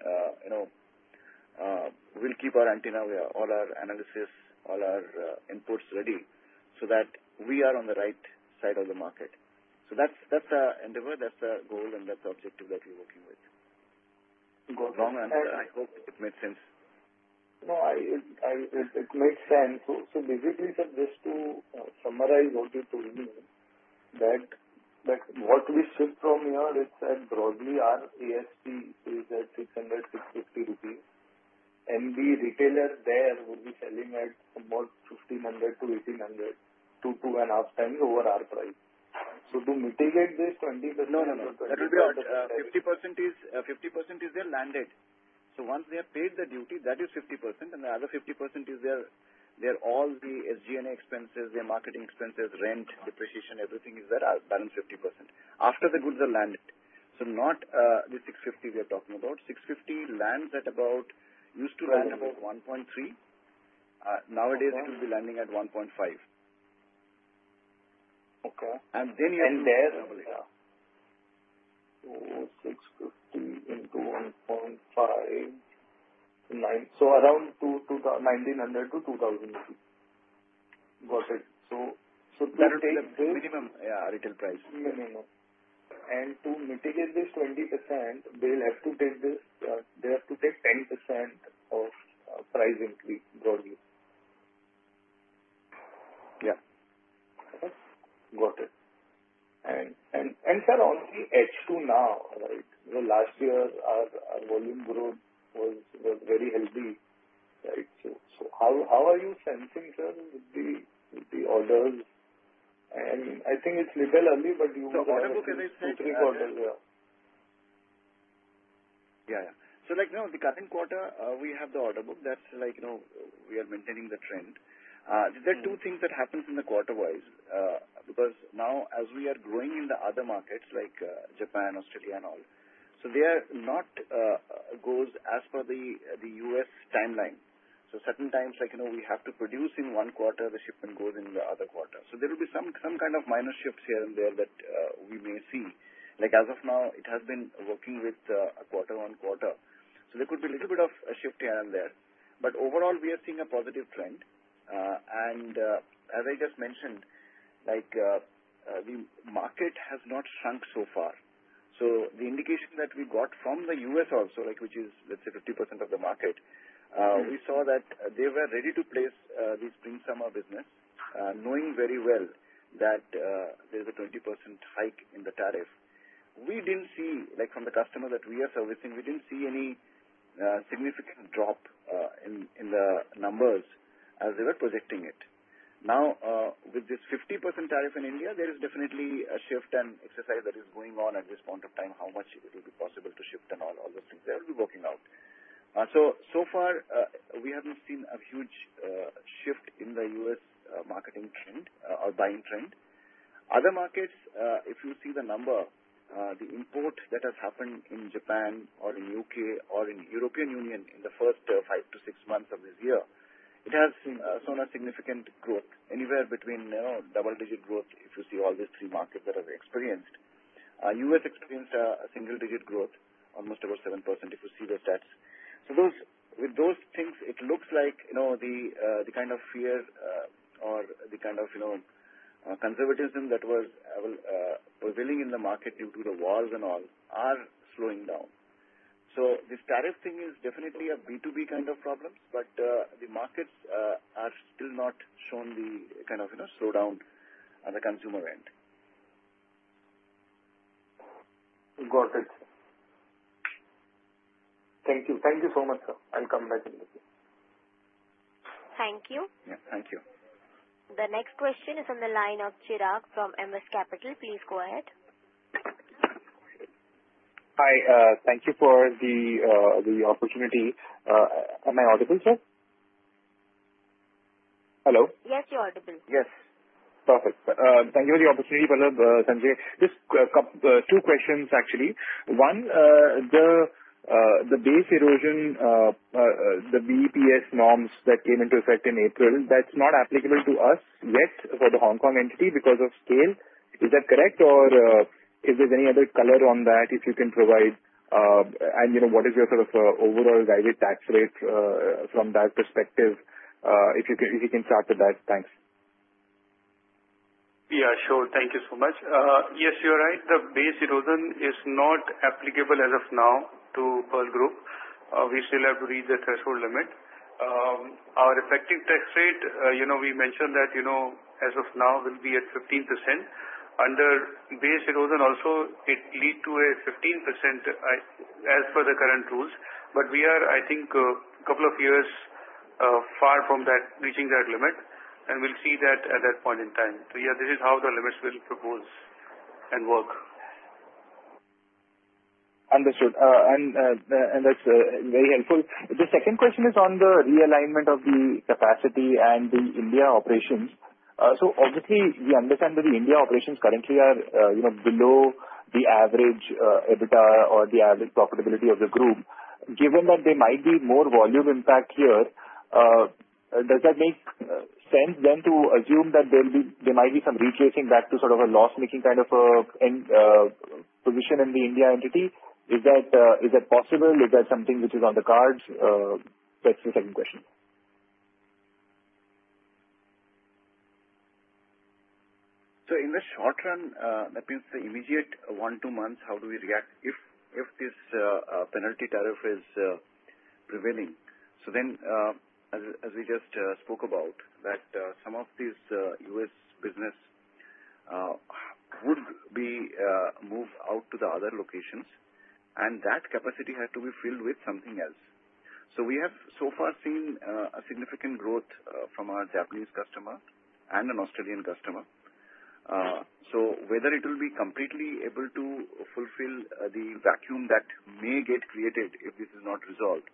We'll keep our antennae where all our analysis, all our inputs ready so that we are on the right side of the market. That's the endeavor, that's the goal, and that's the objective that we're working with. Long answer. I hope it made sense. No, it makes sense. Basically, sir, just to summarize what you told me, that what we ship from here, let's say broadly, our ASP is at 600-650 rupees. And the retailer there will be selling at about 1500 to 1800, two, two and a half times over our price. So to mitigate this 20%. No, no, no. That will be on the 50%. 50% is their landed. So once they have paid the duty, that is 50%, and the other 50% is that's all the SG&A expenses, their marketing expenses, rent, depreciation, everything is there, balance 50%. After the goods are landed. So not the 650 we are talking about. 650 used to land at about 1.3. Nowadays, it will be landing at 1.5. Okay. And then you have to double it up. So INR 650 into 1.5, so around 1900-2000. Got it. So that takes the minimum, yeah, retail price. Minimum and to mitigate this 20%, they'll have to take 10% price increase broadly. Yeah. Okay. Got it. And sir, on the EBITDA now, right? Last year, our volume growth was very healthy, right? So how are you sensing, sir, with the orders? I think it's a little early, but you got to look at it. Two or three quarters, yeah. Yeah. Yeah. So the current quarter, we have the order book. That's like we are maintaining the trend. There are two things that happen in the quarter-wise, because now, as we are growing in the other markets, like Japan, Australia, and all, so there are not goals as per the U.S. timeline. So certain times, we have to produce in one quarter, the shipment goes in the other quarter. So there will be some kind of minor shifts here and there that we may see. As of now, it has been working with a quarter-on-quarter. So there could be a little bit of a shift here and there. But overall, we are seeing a positive trend. As I just mentioned, the market has not shrunk so far. So the indication that we got from the U.S. also, which is, let's say, 50% of the market, we saw that they were ready to place this spring summer business, knowing very well that there's a 20% hike in the tariff. We didn't see, from the customer that we are servicing, we didn't see any significant drop in the numbers as they were projecting it. Now, with this 50% tariff in India, there is definitely a shift and exercise that is going on at this point of time, how much it will be possible to shift and all those things. They will be working out. So far, we haven't seen a huge shift in the U.S. marketing trend or buying trend. Other markets, if you see the number, the import that has happened in Japan or in the UK or in the European Union in the first five to six months of this year, it has seen a significant growth, anywhere between double-digit growth, if you see all these three markets that have experienced. US experienced a single-digit growth, almost about 7%, if you see the stats. So with those things, it looks like the kind of fear or the kind of conservatism that was prevailing in the market due to the wars and all are slowing down. So this tariff thing is definitely a B2B kind of problem, but the markets are still not showing the kind of slowdown on the consumer end. Got it. Thank you. Thank you so much, sir. I'll come back in a bit. Thank you. Yeah. Thank you. The next question is on the line of Chirag from MS Capital. Please go ahead. Hi. Thank you for the opportunity. Am I audible, sir? Hello? Yes, you're audible. Yes. Perfect. Thank you for the opportunity, brother Sanjay. Just two questions, actually. One, the base erosion, the BEPS norms that came into effect in April, that's not applicable to us yet for the Hong Kong entity because of scale. Is that correct, or is there any other color on that, if you can provide? And what is your sort of overall guided tax rate from that perspective? If you can start with that, thanks. Yeah, sure. Thank you so much. Yes, you're right. The base erosion is not applicable as of now to Pearl Group. We still have to reach the threshold limit. Our effective tax rate, we mentioned that as of now, will be at 15%. Under BEPS, also, it leads to a 15% as per the current rules. But we are, I think, a couple of years far from reaching that limit, and we'll see that at that point in time. So yeah, this is how the limits will propose and work. Understood. And that's very helpful. The second question is on the realignment of the capacity and the India operations. So obviously, we understand that the India operations currently are below the average EBITDA or the average profitability of the group. Given that there might be more volume impact here, does that make sense then to assume that there might be some retracing back to sort of a loss-making kind of position in the India entity? Is that possible? Is that something which is on the cards? That's the second question. So in the short run, that means the immediate one to two months. How do we react if this penalty tariff is prevailing? So then, as we just spoke about, that some of these U.S. business would be moved out to the other locations, and that capacity had to be filled with something else. So we have so far seen a significant growth from our Japanese customer and an Australian customer. So whether it will be completely able to fulfill the vacuum that may get created if this is not resolved,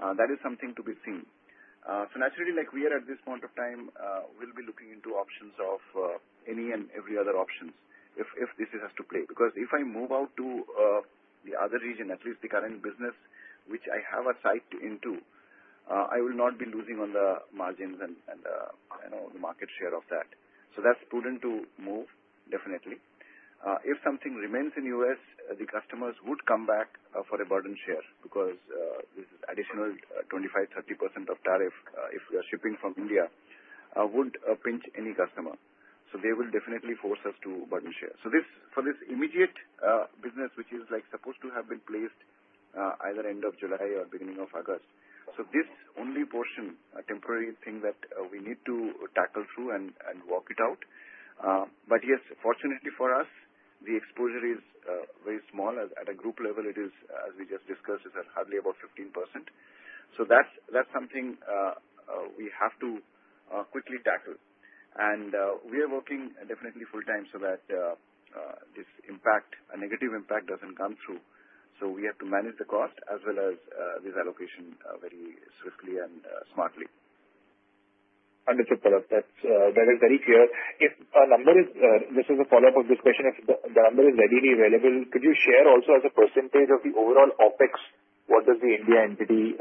that is something to be seen. So naturally, we are at this point of time. We'll be looking into options of any and every other options if this has to play. Because if I move out to the other region, at least the current business, which I have an insight into, I will not be losing on the margins and the market share of that. So that's prudent to move, definitely. If something remains in the U.S., the customers would come back for a burden share because this additional 25%-30% of tariff, if we are shipping from India, would pinch any customer. So they will definitely force us to burden share. So for this immediate business, which is supposed to have been placed either end of July or beginning of August, so this only portion, a temporary thing that we need to tackle through and work it out. But yes, fortunately for us, the exposure is very small. At a group level, it is, as we just discussed, it's hardly about 15%. So that's something we have to quickly tackle. And we are working definitely full-time so that this impact, a negative impact, doesn't come through. So we have to manage the cost as well as this allocation very swiftly and smartly. Understood, brother. That is very clear. If the number is readily available, could you share also as a percentage of the overall OpEx, what does the India entity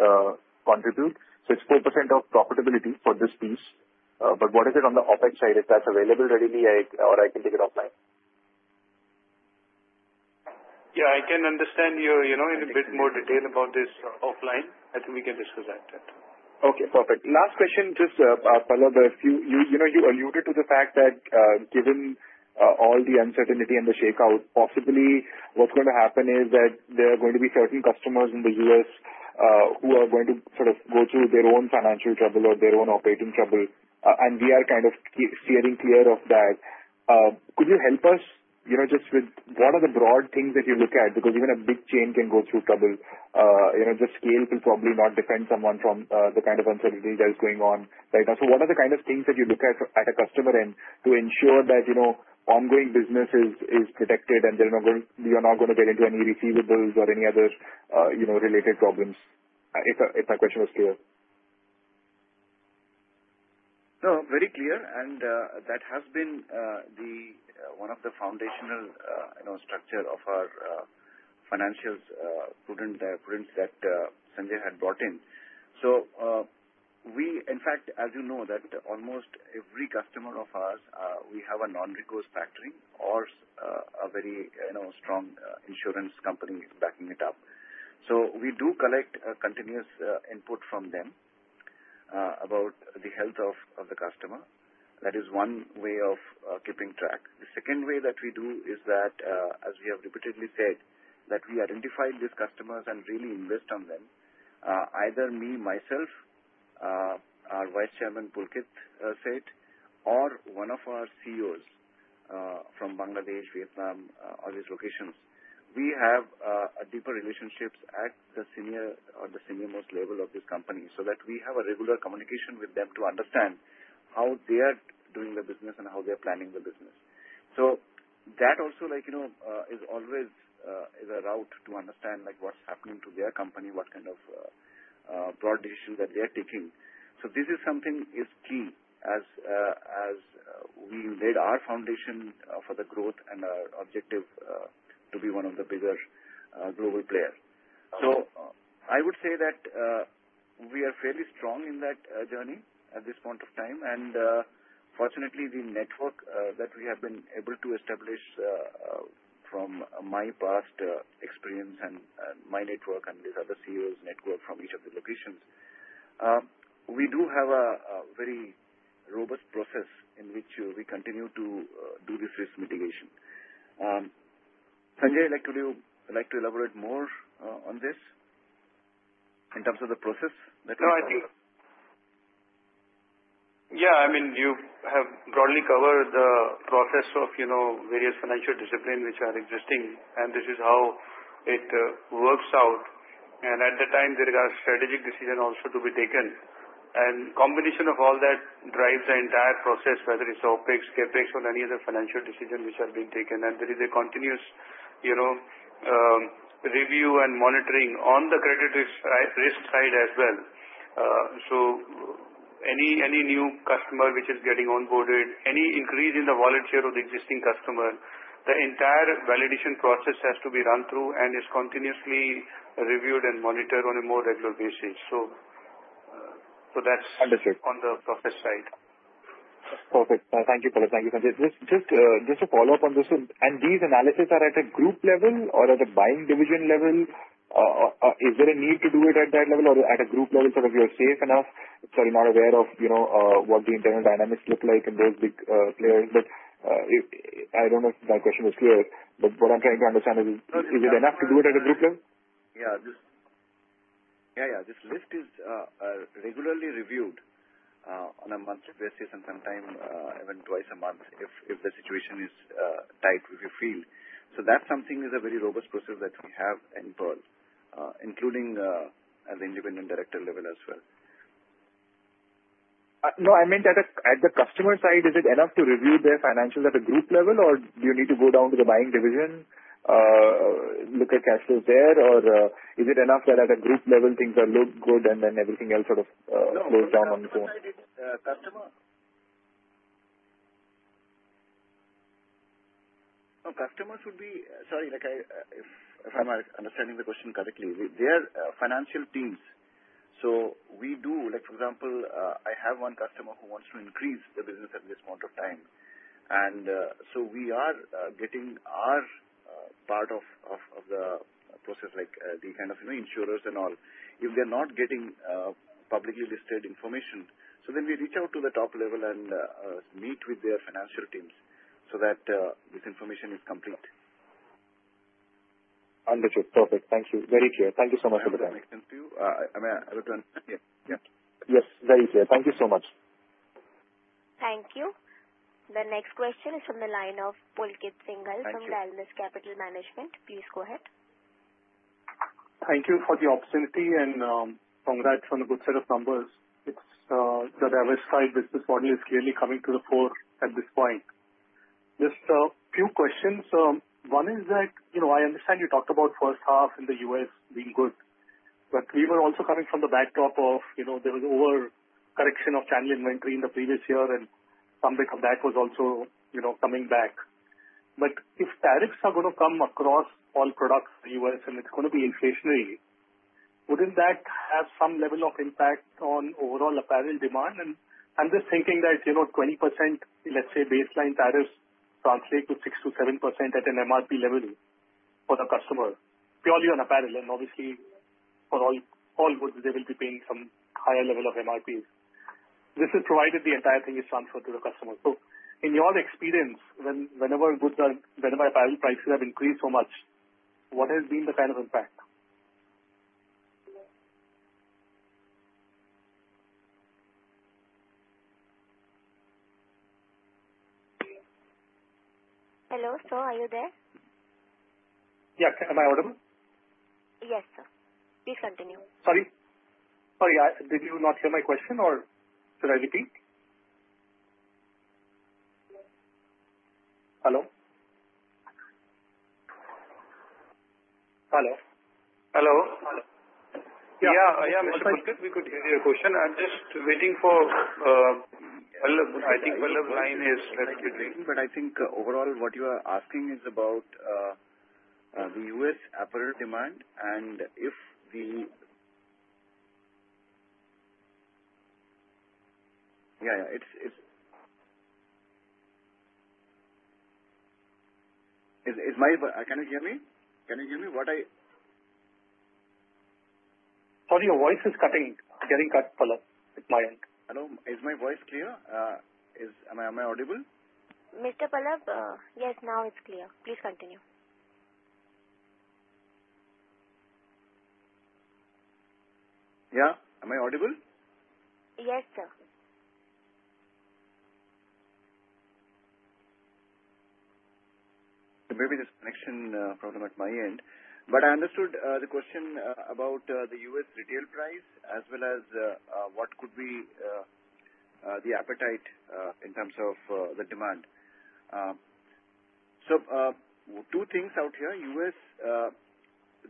contribute? So it's 4% of profitability for this piece. But what is it on the OpEx side? If that's available readily, I can take it offline. Yeah, I can understand you in a bit more detail about this offline. I think we can discuss that. Okay. Perfect. Last question, just a follow-up. You alluded to the fact that given all the uncertainty and the shakeout, possibly what's going to happen is that there are going to be certain customers in the U.S. who are going to sort of go through their own financial trouble or their own operating trouble. And we are kind of steering clear of that. Could you help us just with what are the broad things that you look at? Because even a big chain can go through trouble. Just scale will probably not defend someone from the kind of uncertainty that is going on right now. So what are the kind of things that you look at at a customer end to ensure that ongoing business is protected and you're not going to get into any receivables or any other related problems? If the question was clear. No, very clear and that has been one of the foundational structures of our financial prudence that Sanjay had brought in. So we, in fact, as you know, that almost every customer of ours, we have a non-recourse factoring or a very strong insurance company backing it up. So we do collect continuous input from them about the health of the customer. That is one way of keeping track. The second way that we do is that, as we have repeatedly said, that we identify these customers and really invest on them. Either me, myself, our Vice Chairman Pulkit Seth, or one of our CEOs from Bangladesh, Vietnam, all these locations. We have deeper relationships at the senior or the senior-most level of this company so that we have a regular communication with them to understand how they are doing the business and how they are planning the business. So that also is always a route to understand what's happening to their company, what kind of broad decisions that they are taking. So this is something is key as we laid our foundation for the growth and our objective to be one of the bigger global players. So I would say that we are fairly strong in that journey at this point of time. And fortunately, the network that we have been able to establish from my past experience and my network and these other CEOs' network from each of the locations, we do have a very robust process in which we continue to do this risk mitigation. Sanjay, like to elaborate more on this in terms of the process that we have? No, I think yeah. I mean, you have broadly covered the process of various financial disciplines which are existing, and this is how it works out and at the time, there are strategic decisions also to be taken. And combination of all that drives the entire process, whether it's OpEx, CapEx, or any other financial decision which are being taken. And there is a continuous review and monitoring on the credit risk side as well. So any new customer which is getting onboarded, any increase in the volume of the existing customer, the entire validation process has to be run through and is continuously reviewed and monitored on a more regular basis. So that's on the process side. Understood. Perfect. Thank you, brother. Thank you, Sanjay. Just a follow-up on this one. And these analyses are at a group level or at a buying division level? Is there a need to do it at that level or at a group level so that you're safe enough? Sorry, not aware of what the internal dynamics look like in those big players. But I don't know if my question was clear. But what I'm trying to understand is, is it enough to do it at a group level? Yeah. Yeah, yeah. This list is regularly reviewed on a monthly basis and sometimes even twice a month if the situation is tight, if you feel. So that's something that is a very robust process that we have in Pearl, including at the independent director level as well. No, I meant, at the customer side, is it enough to review their financials at a group level, or do you need to go down to the buying division, look at cash flows there, or is it enough that at a group level, things look good, and then everything else sort of goes down on its own? No, I mean, customers would be, sorry, if I'm understanding the question correctly, they are financial teams. So we do, for example, I have one customer who wants to increase the business at this point of time. And so we are getting our part of the process, like the kind of insurers and all. If they're not getting publicly listed information, so then we reach out to the top level and meet with their financial teams so that this information is complete. Understood. Perfect. Thank you. Very clear. Thank you so much for the time. I have a connection to you. I mean, I don't know. Yeah. Yes, very clear. Thank you so much. Thank you. The next question is from the line of Pulkit Singhal from Dalmus Capital Management. Please go ahead. Thank you for the opportunity and congrats on a good set of numbers. The diversified business model is clearly coming to the fore at this point. Just a few questions. One is that I understand you talked about first half in the U.S. being good. But we were also coming from the backdrop of there was overcorrection of channel inventory in the previous year, and some bit of that was also coming back. But if tariffs are going to come across all products in the U.S. and it's going to be inflationary, wouldn't that have some level of impact on overall apparel demand? And I'm just thinking that 20%, let's say, baseline tariffs translate to 6%-7% at an MRP level for the customer, purely on apparel. And obviously, for all goods, they will be paying some higher level of MRPs. This is provided the entire thing is transferred to the customer. So in your experience, whenever apparel prices have increased so much, what has been the kind of impact? Hello, sir? Are you there? Yeah. Am I audible? Yes, sir. Please continue. Sorry. Did you not hear my question, or should I repeat? Hello? Yeah. Mr. Pulkit, we could hear your question. I'm just waiting. I think Pearl's line is a little bit waiting. But I think overall, what you are asking is about the U.S. apparel demand. And if the yeah. Can you hear me? Can you hear me? Sorry, your voice is getting cut, Pearl. It's my end. Hello? Is my voice clear? Am I audible? Mr. Pallab, yes, now it's clear. Please continue. Yeah. Am I audible? Yes, sir. Maybe there's a connection problem at my end. But I understood the question about the U.S. retail price as well as what could be the appetite in terms of the demand. So two things out here. U.S.,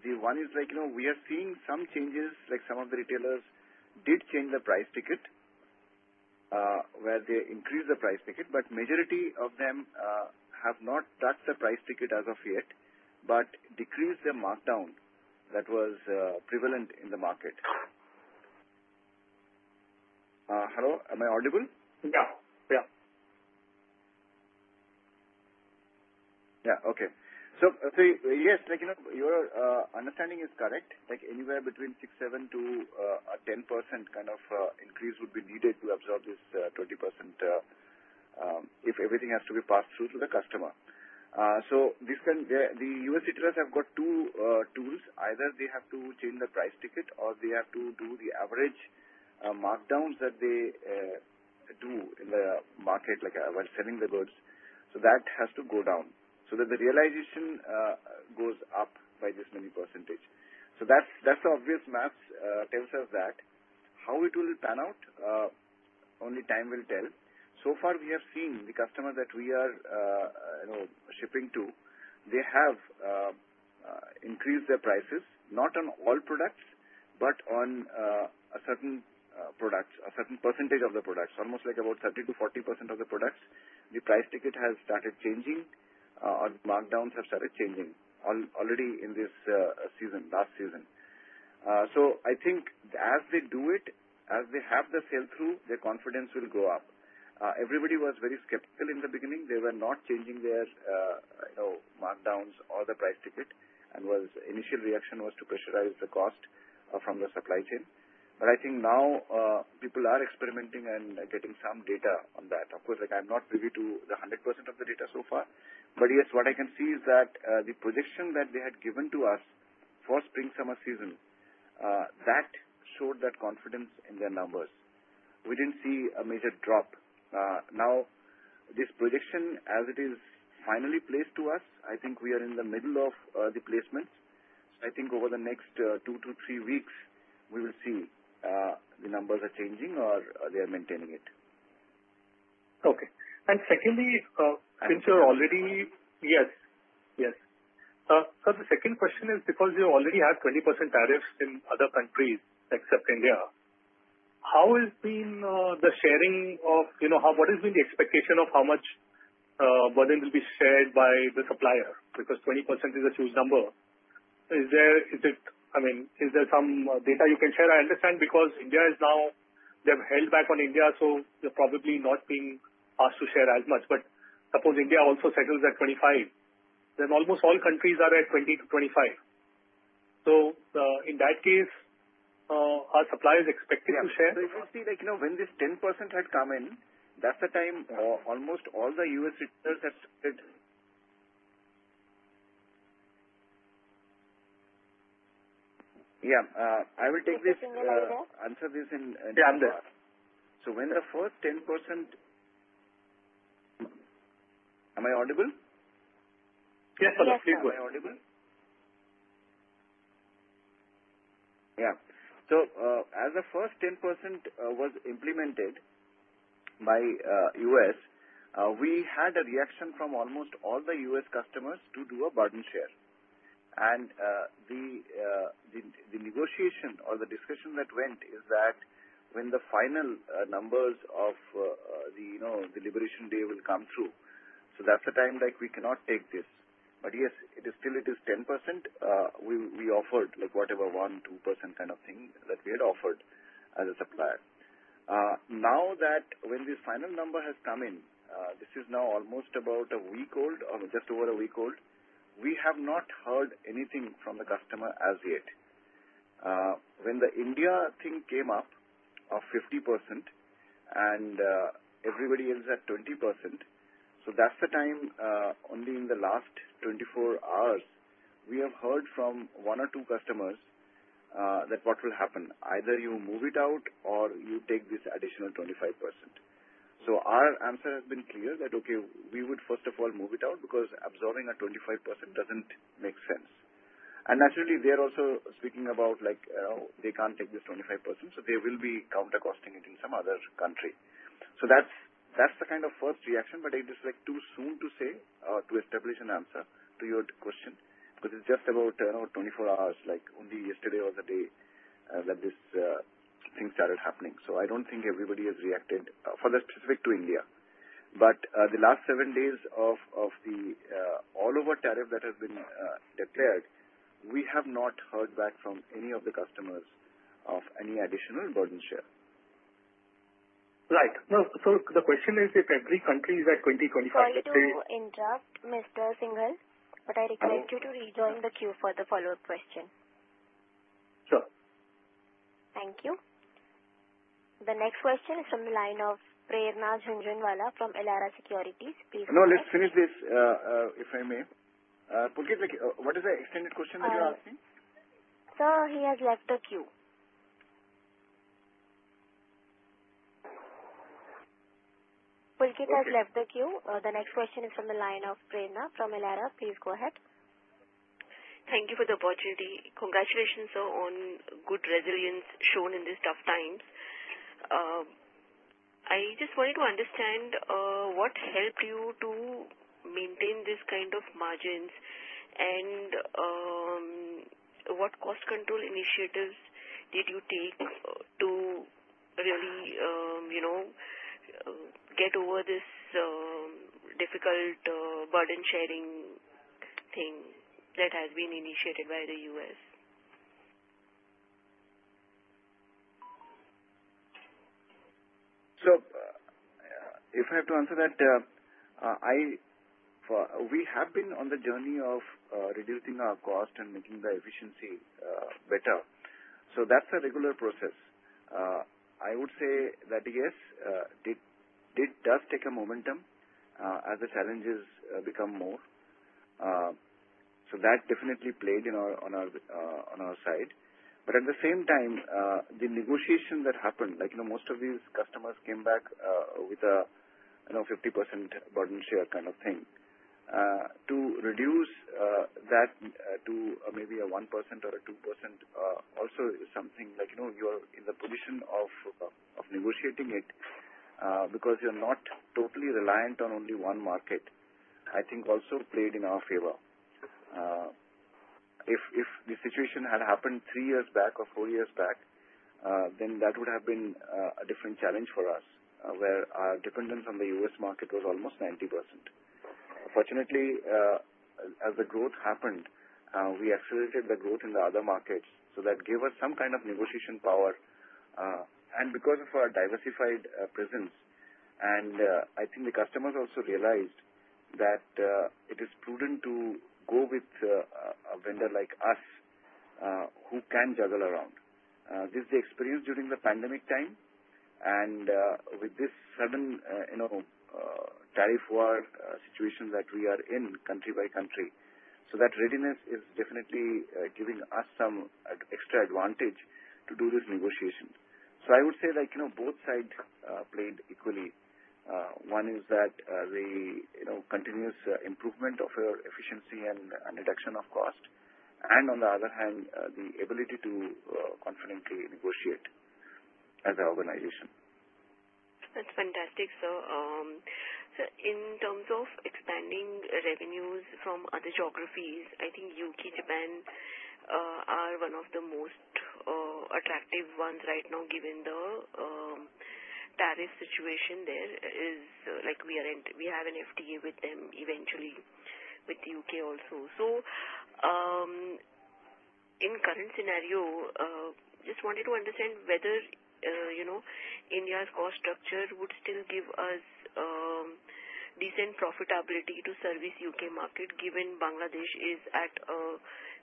the one is we are seeing some changes. Some of the retailers did change the price ticket, where they increased the price ticket. But majority of them have not touched the price ticket as of yet, but decreased their markdown that was prevalent in the market. Hello? Am I audible? Yeah. Yeah. Yeah. Okay. So yes, your understanding is correct. Anywhere between 6%-7% to 10% kind of increase would be needed to absorb this 20% if everything has to be passed through to the customer. So the U.S. retailers have got two tools. Either they have to change the price ticket, or they have to do the average markdowns that they do in the market while selling the goods. So that has to go down so that the realization goes up by this many percentage. So that's the obvious math that tells us that. How it will pan out, only time will tell. So far, we have seen the customers that we are shipping to, they have increased their prices, not on all products, but on a certain product, a certain percentage of the products. Almost like about 30%-40% of the products, the price ticket has started changing, or markdowns have started changing already in this season, last season. So I think as they do it, as they have the sell-through, their confidence will go up. Everybody was very skeptical in the beginning. They were not changing their markdowns or the price ticket. And the initial reaction was to pressurize the cost from the supply chain. But I think now people are experimenting and getting some data on that. Of course, I'm not privy to the 100% of the data so far. But yes, what I can see is that the projection that they had given to us for spring-summer season, that showed confidence in their numbers. We didn't see a major drop. Now, this projection, as it is finally placed to us, I think we are in the middle of the placements. So I think over the next two to three weeks, we will see the numbers are changing or they are maintaining it. Okay. And secondly, since you're already. So the second question is, because you already have 20% tariffs in other countries except India, how has been the sharing of what has been the expectation of how much burden will be shared by the supplier? Because 20% is a huge number. I mean, is there some data you can share? I understand because India is now they've held back on India, so they're probably not being asked to share as much. But suppose India also settles at 25%, then almost all countries are at 20%-25%. So in that case, are suppliers expected to share? So you can see when this 10% had come in, that's the time almost all the U.S. retailers had started. Yeah. I will take this and answer this in. Yeah, I'm there. So when the first 10% am I audible? Yes, sir. You're clearly audible. Yeah. So as the first 10% was implemented by U.S., we had a reaction from almost all the U.S. customers to do a burden share and the negotiation or the discussion that went is that when the final numbers of the liberation day will come through, so that's the time we cannot take this. But yes, still it is 10%. We offered whatever 1-2% kind of thing that we had offered as a supplier. Now that when this final number has come in, this is now almost about a week old, just over a week old, we have not heard anything from the customer as yet. When the India thing came up of 50% and everybody else had 20%, so that's the time only in the last 24 hours, we have heard from one or two customers that what will happen. Either you move it out or you take this additional 25%. So our answer has been clear that, okay, we would first of all move it out because absorbing a 25% doesn't make sense. And naturally, they are also speaking about they can't take this 25%, so they will be counter-costing it in some other country. So that's the kind of first reaction. But it is too soon to say, to establish an answer to your question, because it's just about 24 hours, only yesterday or the day that this thing started happening. So I don't think everybody has reacted for the specific to India. But the last seven days of the all-over tariff that has been declared, we have not heard back from any of the customers of any additional burden share. Right. So the question is, if every country is at 20%-25%. Sorry to interrupt, Mr. Singhal, but I request you to rejoin the queue for the follow-up question. Sure. Thank you. The next question is from the line of Prerna Jhunjhunwala from Elara Securities. Please continue. No, let's finish this, if I may. Pulkit, what is the extended question that you're asking? Sir, he has left the queue. Pulkit has left the queue. The next question is from the line of Prerna from Elara. Please go ahead. Thank you for the opportunity. Congratulations on good resilience shown in these tough times. I just wanted to understand what helped you to maintain this kind of margins and what cost control initiatives did you take to really get over this difficult burden sharing thing that has been initiated by the U.S.? So if I have to answer that, we have been on the journey of reducing our cost and making the efficiency better. So that's a regular process. I would say that, yes, it does take a momentum as the challenges become more. So that definitely played on our side. But at the same time, the negotiation that happened, most of these customers came back with a 50% burden share kind of thing. To reduce that to maybe a 1% or a 2% also is something you are in the position of negotiating it because you're not totally reliant on only one market, I think also played in our favor. If the situation had happened three years back or four years back, then that would have been a different challenge for us, where our dependence on the U.S. market was almost 90%. Fortunately, as the growth happened, we accelerated the growth in the other markets. So that gave us some kind of negotiation power. Because of our diversified presence, and I think the customers also realized that it is prudent to go with a vendor like us who can juggle around. This is the experience during the pandemic time. With this sudden tariff war situation that we are in, country by country, so that readiness is definitely giving us some extra advantage to do this negotiation. I would say both sides played equally. One is that the continuous improvement of our efficiency and reduction of cost. On the other hand, the ability to confidently negotiate as an organization. That's fantastic, sir. In terms of expanding revenues from other geographies, I think UK, Japan are one of the most attractive ones right now, given the tariff situation there. We have an FTA with them eventually, with the UK also. So in current scenario, just wanted to understand whether India's cost structure would still give us decent profitability to service U.K. market, given Bangladesh is at a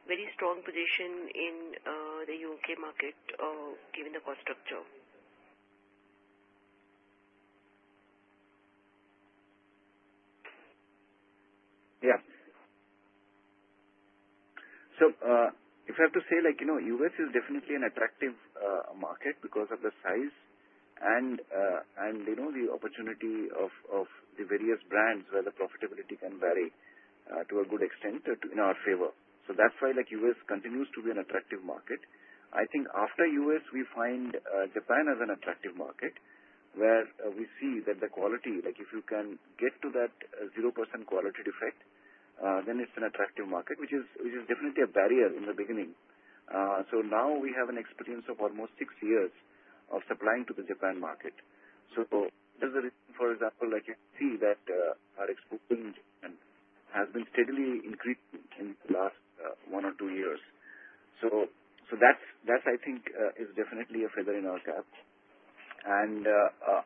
very strong position in the U.K. market, given the cost structure? Yeah. So if I have to say, U.S. is definitely an attractive market because of the size and the opportunity of the various brands, where the profitability can vary to a good extent in our favor. So that's why U.S. continues to be an attractive market. I think after U.S., we find Japan as an attractive market, where we see that the quality, if you can get to that 0% quality defect, then it's an attractive market, which is definitely a barrier in the beginning. So now we have an experience of almost six years of supplying to the Japan market. That's the reason, for example, you see that our exporting has been steadily increasing in the last one or two years. That, I think, is definitely a feather in our cap.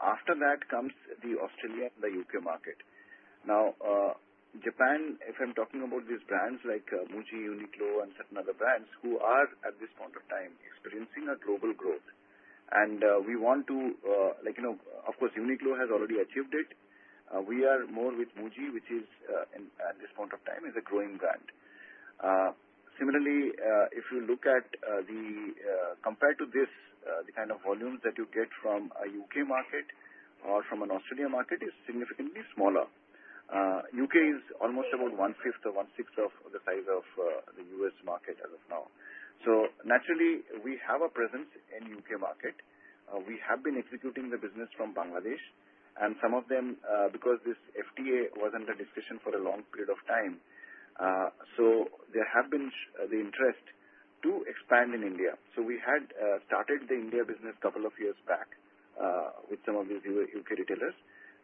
After that comes the Australian and the U.K. market. Now, Japan, if I'm talking about these brands like Muji, Uniqlo, and certain other brands who are at this point of time experiencing a global growth. We want to, of course, Uniqlo has already achieved it. We are more with Muji, which is, at this point of time, a growing brand. Similarly, if you look at the compared to this, the kind of volumes that you get from a U.K. market or from an Australian market is significantly smaller. The U.K. is almost about one-fifth or one-sixth of the size of the U.S. market as of now. Naturally, we have a presence in the U.K. market. We have been executing the business from Bangladesh. And some of them, because this FTA was under discussion for a long period of time, so there has been the interest to expand in India. So we had started the India business a couple of years back with some of these U.K. retailers.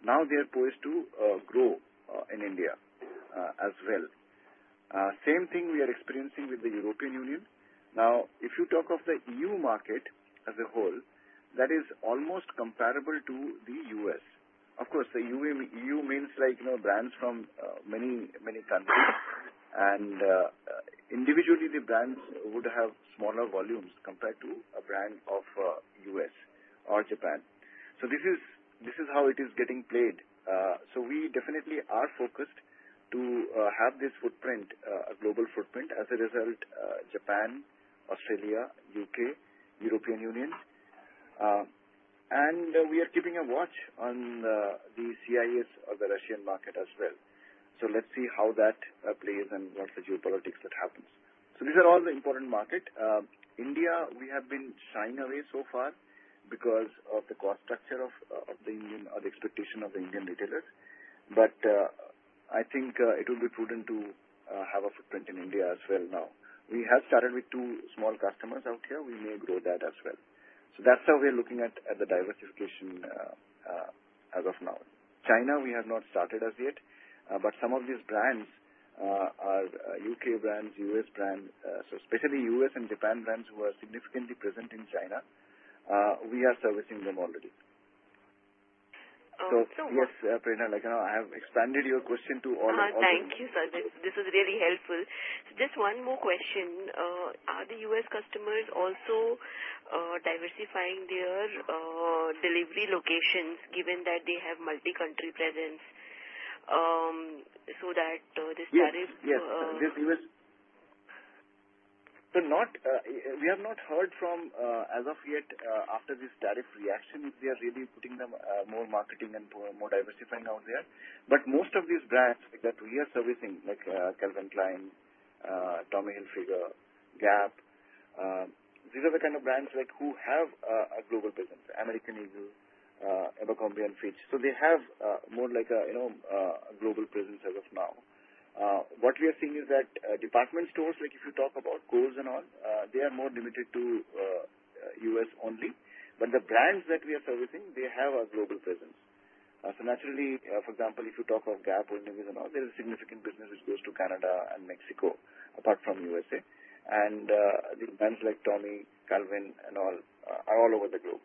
Now they are poised to grow in India as well. Same thing we are experiencing with the European Union. Now, if you talk of the E.U. market as a whole, that is almost comparable to the U.S. Of course, the E.U. means brands from many, many countries. And individually, the brands would have smaller volumes compared to a brand of U.S. or Japan. So this is how it is getting played. So we definitely are focused to have this footprint, a global footprint. As a result, Japan, Australia, U.K., European Union. And we are keeping a watch on the CIS of the Russian market as well. So let's see how that plays and what the geopolitics that happens. So these are all the important markets. India, we have been shying away so far because of the cost structure of the Indian or the expectation of the Indian retailers. But I think it will be prudent to have a footprint in India as well now. We have started with two small customers out here. We may grow that as well. So that's how we're looking at the diversification as of now. China, we have not started as yet. But some of these brands are U.K. brands, U.S. brands, so especially U.S. and Japan brands who are significantly present in China. We are servicing them already. So yes, Prerna, I have expanded your question to all of them. Thank you, sir. This is really helpful. Just one more question. Are the US customers also diversifying their delivery locations, given that they have multi-country presence, so that this tariff? Yes. So we have not heard from as of yet after this tariff reaction, if they are really putting them more marketing and more diversifying out there. But most of these brands that we are servicing, like Calvin Klein, Tommy Hilfiger, Gap, these are the kind of brands who have a global presence: American Eagle, Abercrombie & Fitch. So they have more like a global presence as of now. What we are seeing is that department stores, if you talk about Kohl's and all, they are more limited to US only. But the brands that we are servicing, they have a global presence. So naturally, for example, if you talk of Gap, all these and all, there is a significant business which goes to Canada and Mexico, apart from USA. And the brands like Tommy, Calvin, and all are all over the globe: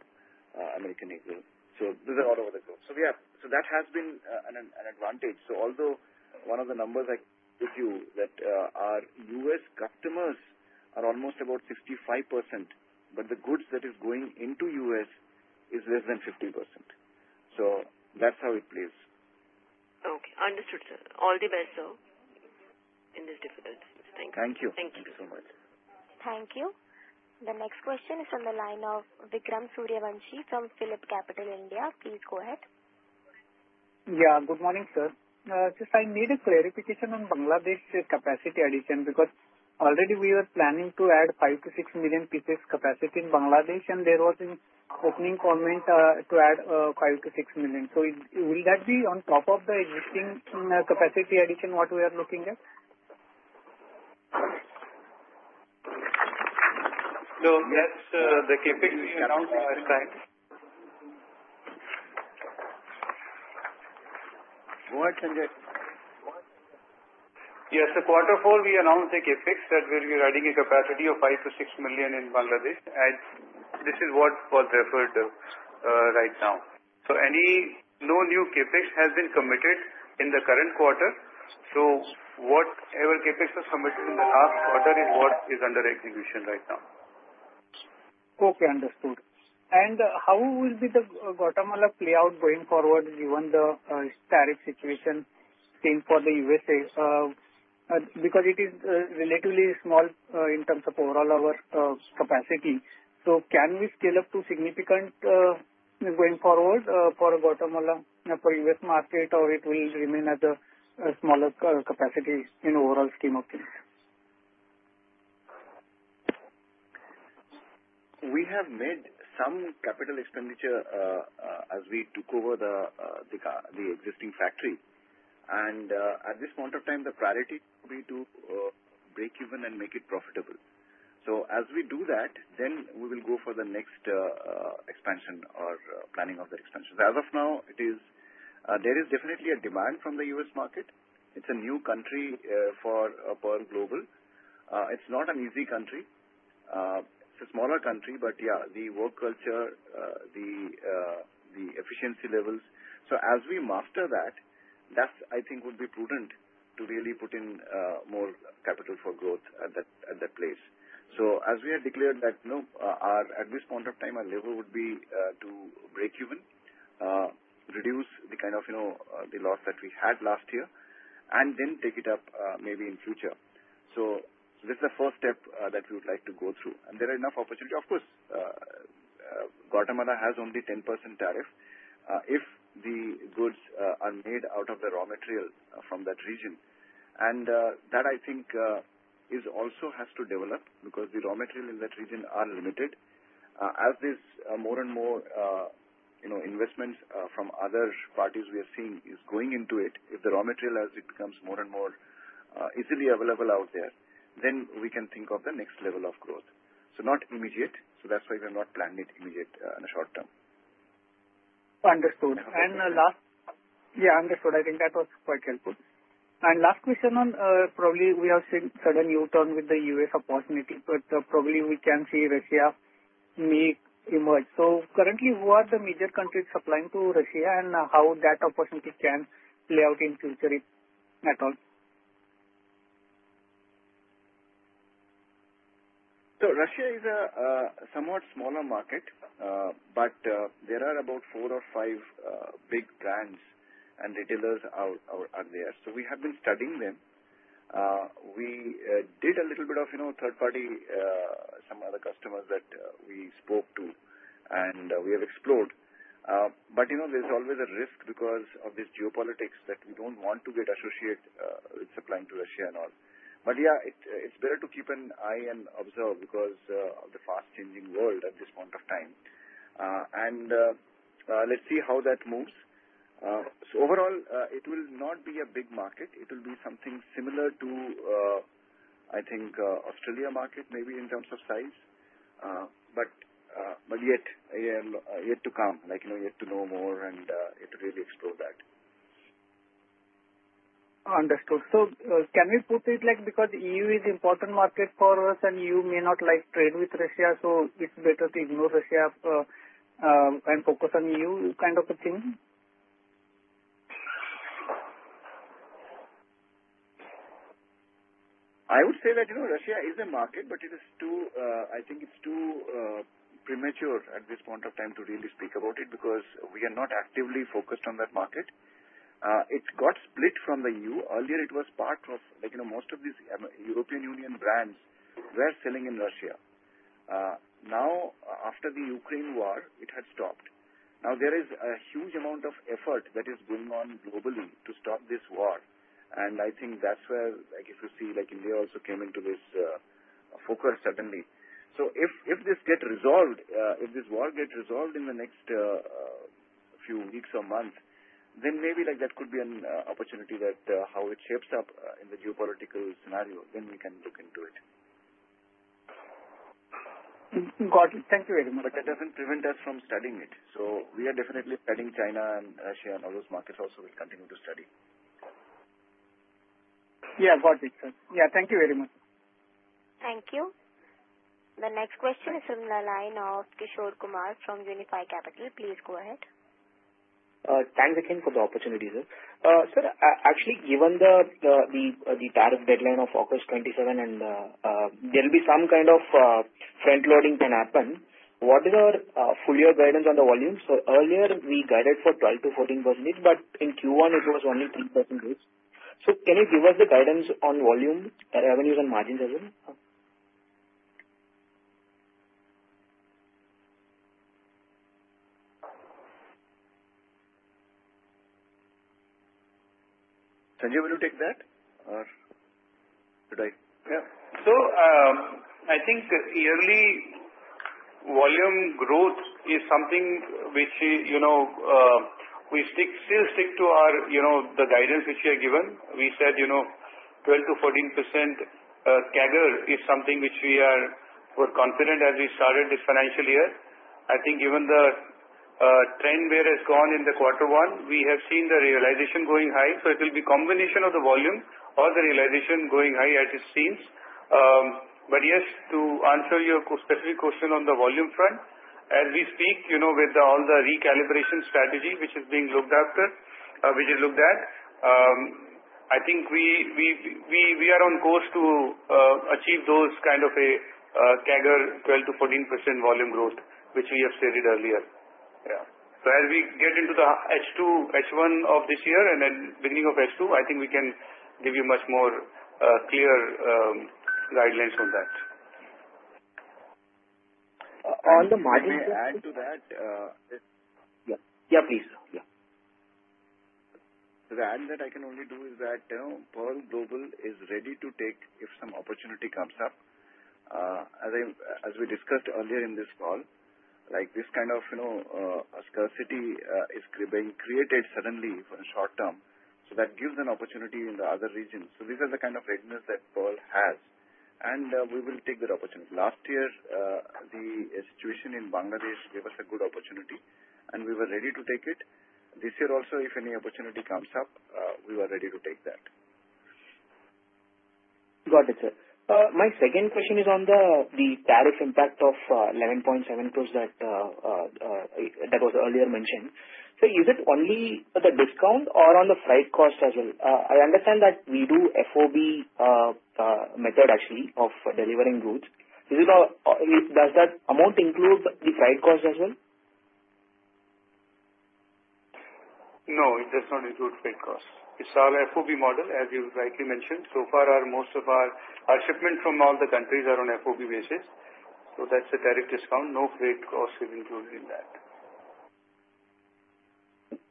American Eagle. So these are all over the globe. So that has been an advantage. So although one of the numbers I give you that our US customers are almost about 65%, but the goods that are going into US is less than 50%. So that's how it plays. Okay. Understood, sir. All the best, sir. In this difficult situation. Thank you. Thank you. Thank you so much. Thank you. The next question is from the line of Vikram Suryavanshi from PhillipCapital India. Please go ahead. Yeah. Good morning, sir. I just need a clarification on Bangladesh capacity addition because already we were planning to add 5-6 million pieces capacity in Bangladesh, and there was an opening comment to add 5-6 million. So will that be on top of the existing capacity addition, what we are looking at? No, that's the CapEx we announced last time. What? Yes, the last quarter, we announced the CapEx that we'll be adding a capacity of 5-6 million in Bangladesh. And this is what was referred to right now. So no new CapEx has been committed in the current quarter. So whatever CapEx was committed in the last quarter is what is under execution right now. Okay. Understood. And how will the Guatemala play out going forward, given the tariff situation seen for the USA? Because it is relatively small in terms of overall our capacity. So can we scale up to significant going forward for Guatemala for US market, or it will remain as a smaller capacity in overall scheme of things? We have made some capital expenditure as we took over the existing factory. At this point of time, the priority will be to break even and make it profitable. As we do that, then we will go for the next expansion or planning of the expansion. As of now, there is definitely a demand from the US market. It's a new country for Pearl Global. It's not an easy country. It's a smaller country, but yeah, the work culture, the efficiency levels, so as we master that, that I think would be prudent to really put in more capital for growth at that place. So, as we have declared that at this point of time, our level would be to break even, reduce the kind of loss that we had last year, and then take it up maybe in future. So this is the first step that we would like to go through. And there are enough opportunities. Of course, Guatemala has only 10% tariff if the goods are made out of the raw material from that region. And that I think also has to develop because the raw material in that region are limited. As there's more and more investments from other parties we are seeing is going into it, if the raw material, as it becomes more and more easily available out there, then we can think of the next level of growth. So not immediate. So that's why we have not planned it immediate in the short term. Understood. And last. Yeah, understood. I think that was quite helpful. And last question on probably we have seen certain U-turn with the US opportunity, but probably we can see Russia may emerge. So currently, who are the major countries supplying to Russia and how that opportunity can play out in future at all? So Russia is a somewhat smaller market, but there are about four or five big brands and retailers out there. So we have been studying them. We did a little bit of third-party, some other customers that we spoke to, and we have explored. But there's always a risk because of this geopolitics that we don't want to get associated with supplying to Russia and all. But yeah, it's better to keep an eye and observe because of the fast-changing world at this point of time. And let's see how that moves. So overall, it will not be a big market. It will be something similar to, I think, Australia market, maybe in terms of size. But yet to come, yet to know more and yet to really explore that. Understood. So can we put it like because the EU is an important market for us and you may not like trade with Russia, so it's better to ignore Russia and focus on EU kind of a thing? I would say that Russia is a market, but I think it's too premature at this point of time to really speak about it because we are not actively focused on that market. It got split from the EU. Earlier, it was part of most of these European Union brands were selling in Russia. Now, after the Ukraine war, it had stopped. Now, there is a huge amount of effort that is going on globally to stop this war, and I think that's where if you see India also came into this focus, certainly, so if this gets resolved, if this war gets resolved in the next few weeks or months, then maybe that could be an opportunity that how it shapes up in the geopolitical scenario, then we can look into it. Got it. Thank you very much. but that doesn't prevent us from studying it, so we are definitely studying China and Russia and all those markets also, we'll continue to study. Yeah, got it, sir. Yeah, thank you very much. Thank you. The next question is from the line of Kishore Kumar from Unifi Capital. Please go ahead. Thanks again for the opportunity, sir. Sir, actually, given the tariff deadline of August 27, and there will be some kind of front-loading can happen, what is our full year guidance on the volume? So earlier, we guided for 12%-14%, but in Q1, it was only 3%. So can you give us the guidance on volume, revenues, and margins as well? Sanjay, will you take that or should I? Yeah. So I think yearly volume growth is something which we still stick to the guidance which we have given. We said 12%-14% CAGR is something which we were confident as we started this financial year. I think given the trend where it's gone in quarter one, we have seen the realization going high. So it will be a combination of the volume or the realization going high at its seams. But yes, to answer your specific question on the volume front, as we speak with all the recalibration strategy which is being looked after, which is looked at, I think we are on course to achieve those kind of a CAGR 12%-14% volume growth, which we have stated earlier. Yeah. So as we get into the H2, H1 of this year and then beginning of H2, I think we can give you much more clear guidelines on that. On the margin side. May I add to that? Yeah, please. Yeah. Yeah. The add that I can only do is that Pearl Global is ready to take if some opportunity comes up. As we discussed earlier in this call, this kind of scarcity is being created suddenly for a short term. So that gives an opportunity in the other regions. These are the kind of readiness that Pearl has. And we will take that opportunity. Last year, the situation in Bangladesh gave us a good opportunity, and we were ready to take it. This year also, if any opportunity comes up, we were ready to take that. Got it, sir. My second question is on the tariff impact of 11.7 crores that was earlier mentioned. So is it only for the discount or on the flight cost as well? I understand that we do FOB method actually of delivering goods. Does that amount include the flight cost as well? No, it does not include flight cost. It's our FOB model, as you rightly mentioned. So far, most of our shipments from all the countries are on FOB basis. So that's the tariff discount. No flight cost is included in that.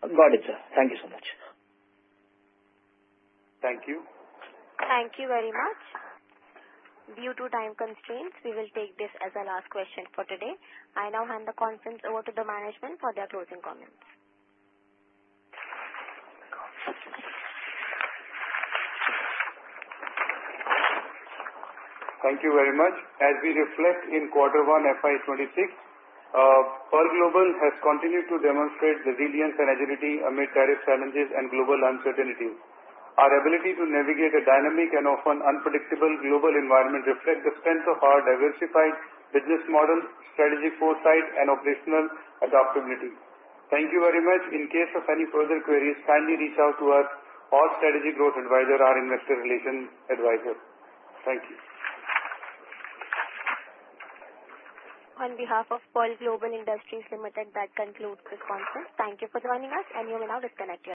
Got it, sir. Thank you so much. Thank you. Thank you very much. Due to time constraints, we will take this as a last question for today. I now hand the conference over to the management for their closing comments. Thank you very much. As we reflect in quarter one, FY 2026, Pearl Global has continued to demonstrate resilience and agility amid tariff challenges and global uncertainties. Our ability to navigate a dynamic and often unpredictable global environment reflects the strength of our diversified business model, strategic foresight, and operational adaptability. Thank you very much. In case of any further queries, kindly reach out to us or Strategic Growth Advisors or investor relations advisors. Thank you. On behalf of Pearl Global Industries Limited, that concludes this conference. Thank you for joining us, and you may now disconnect.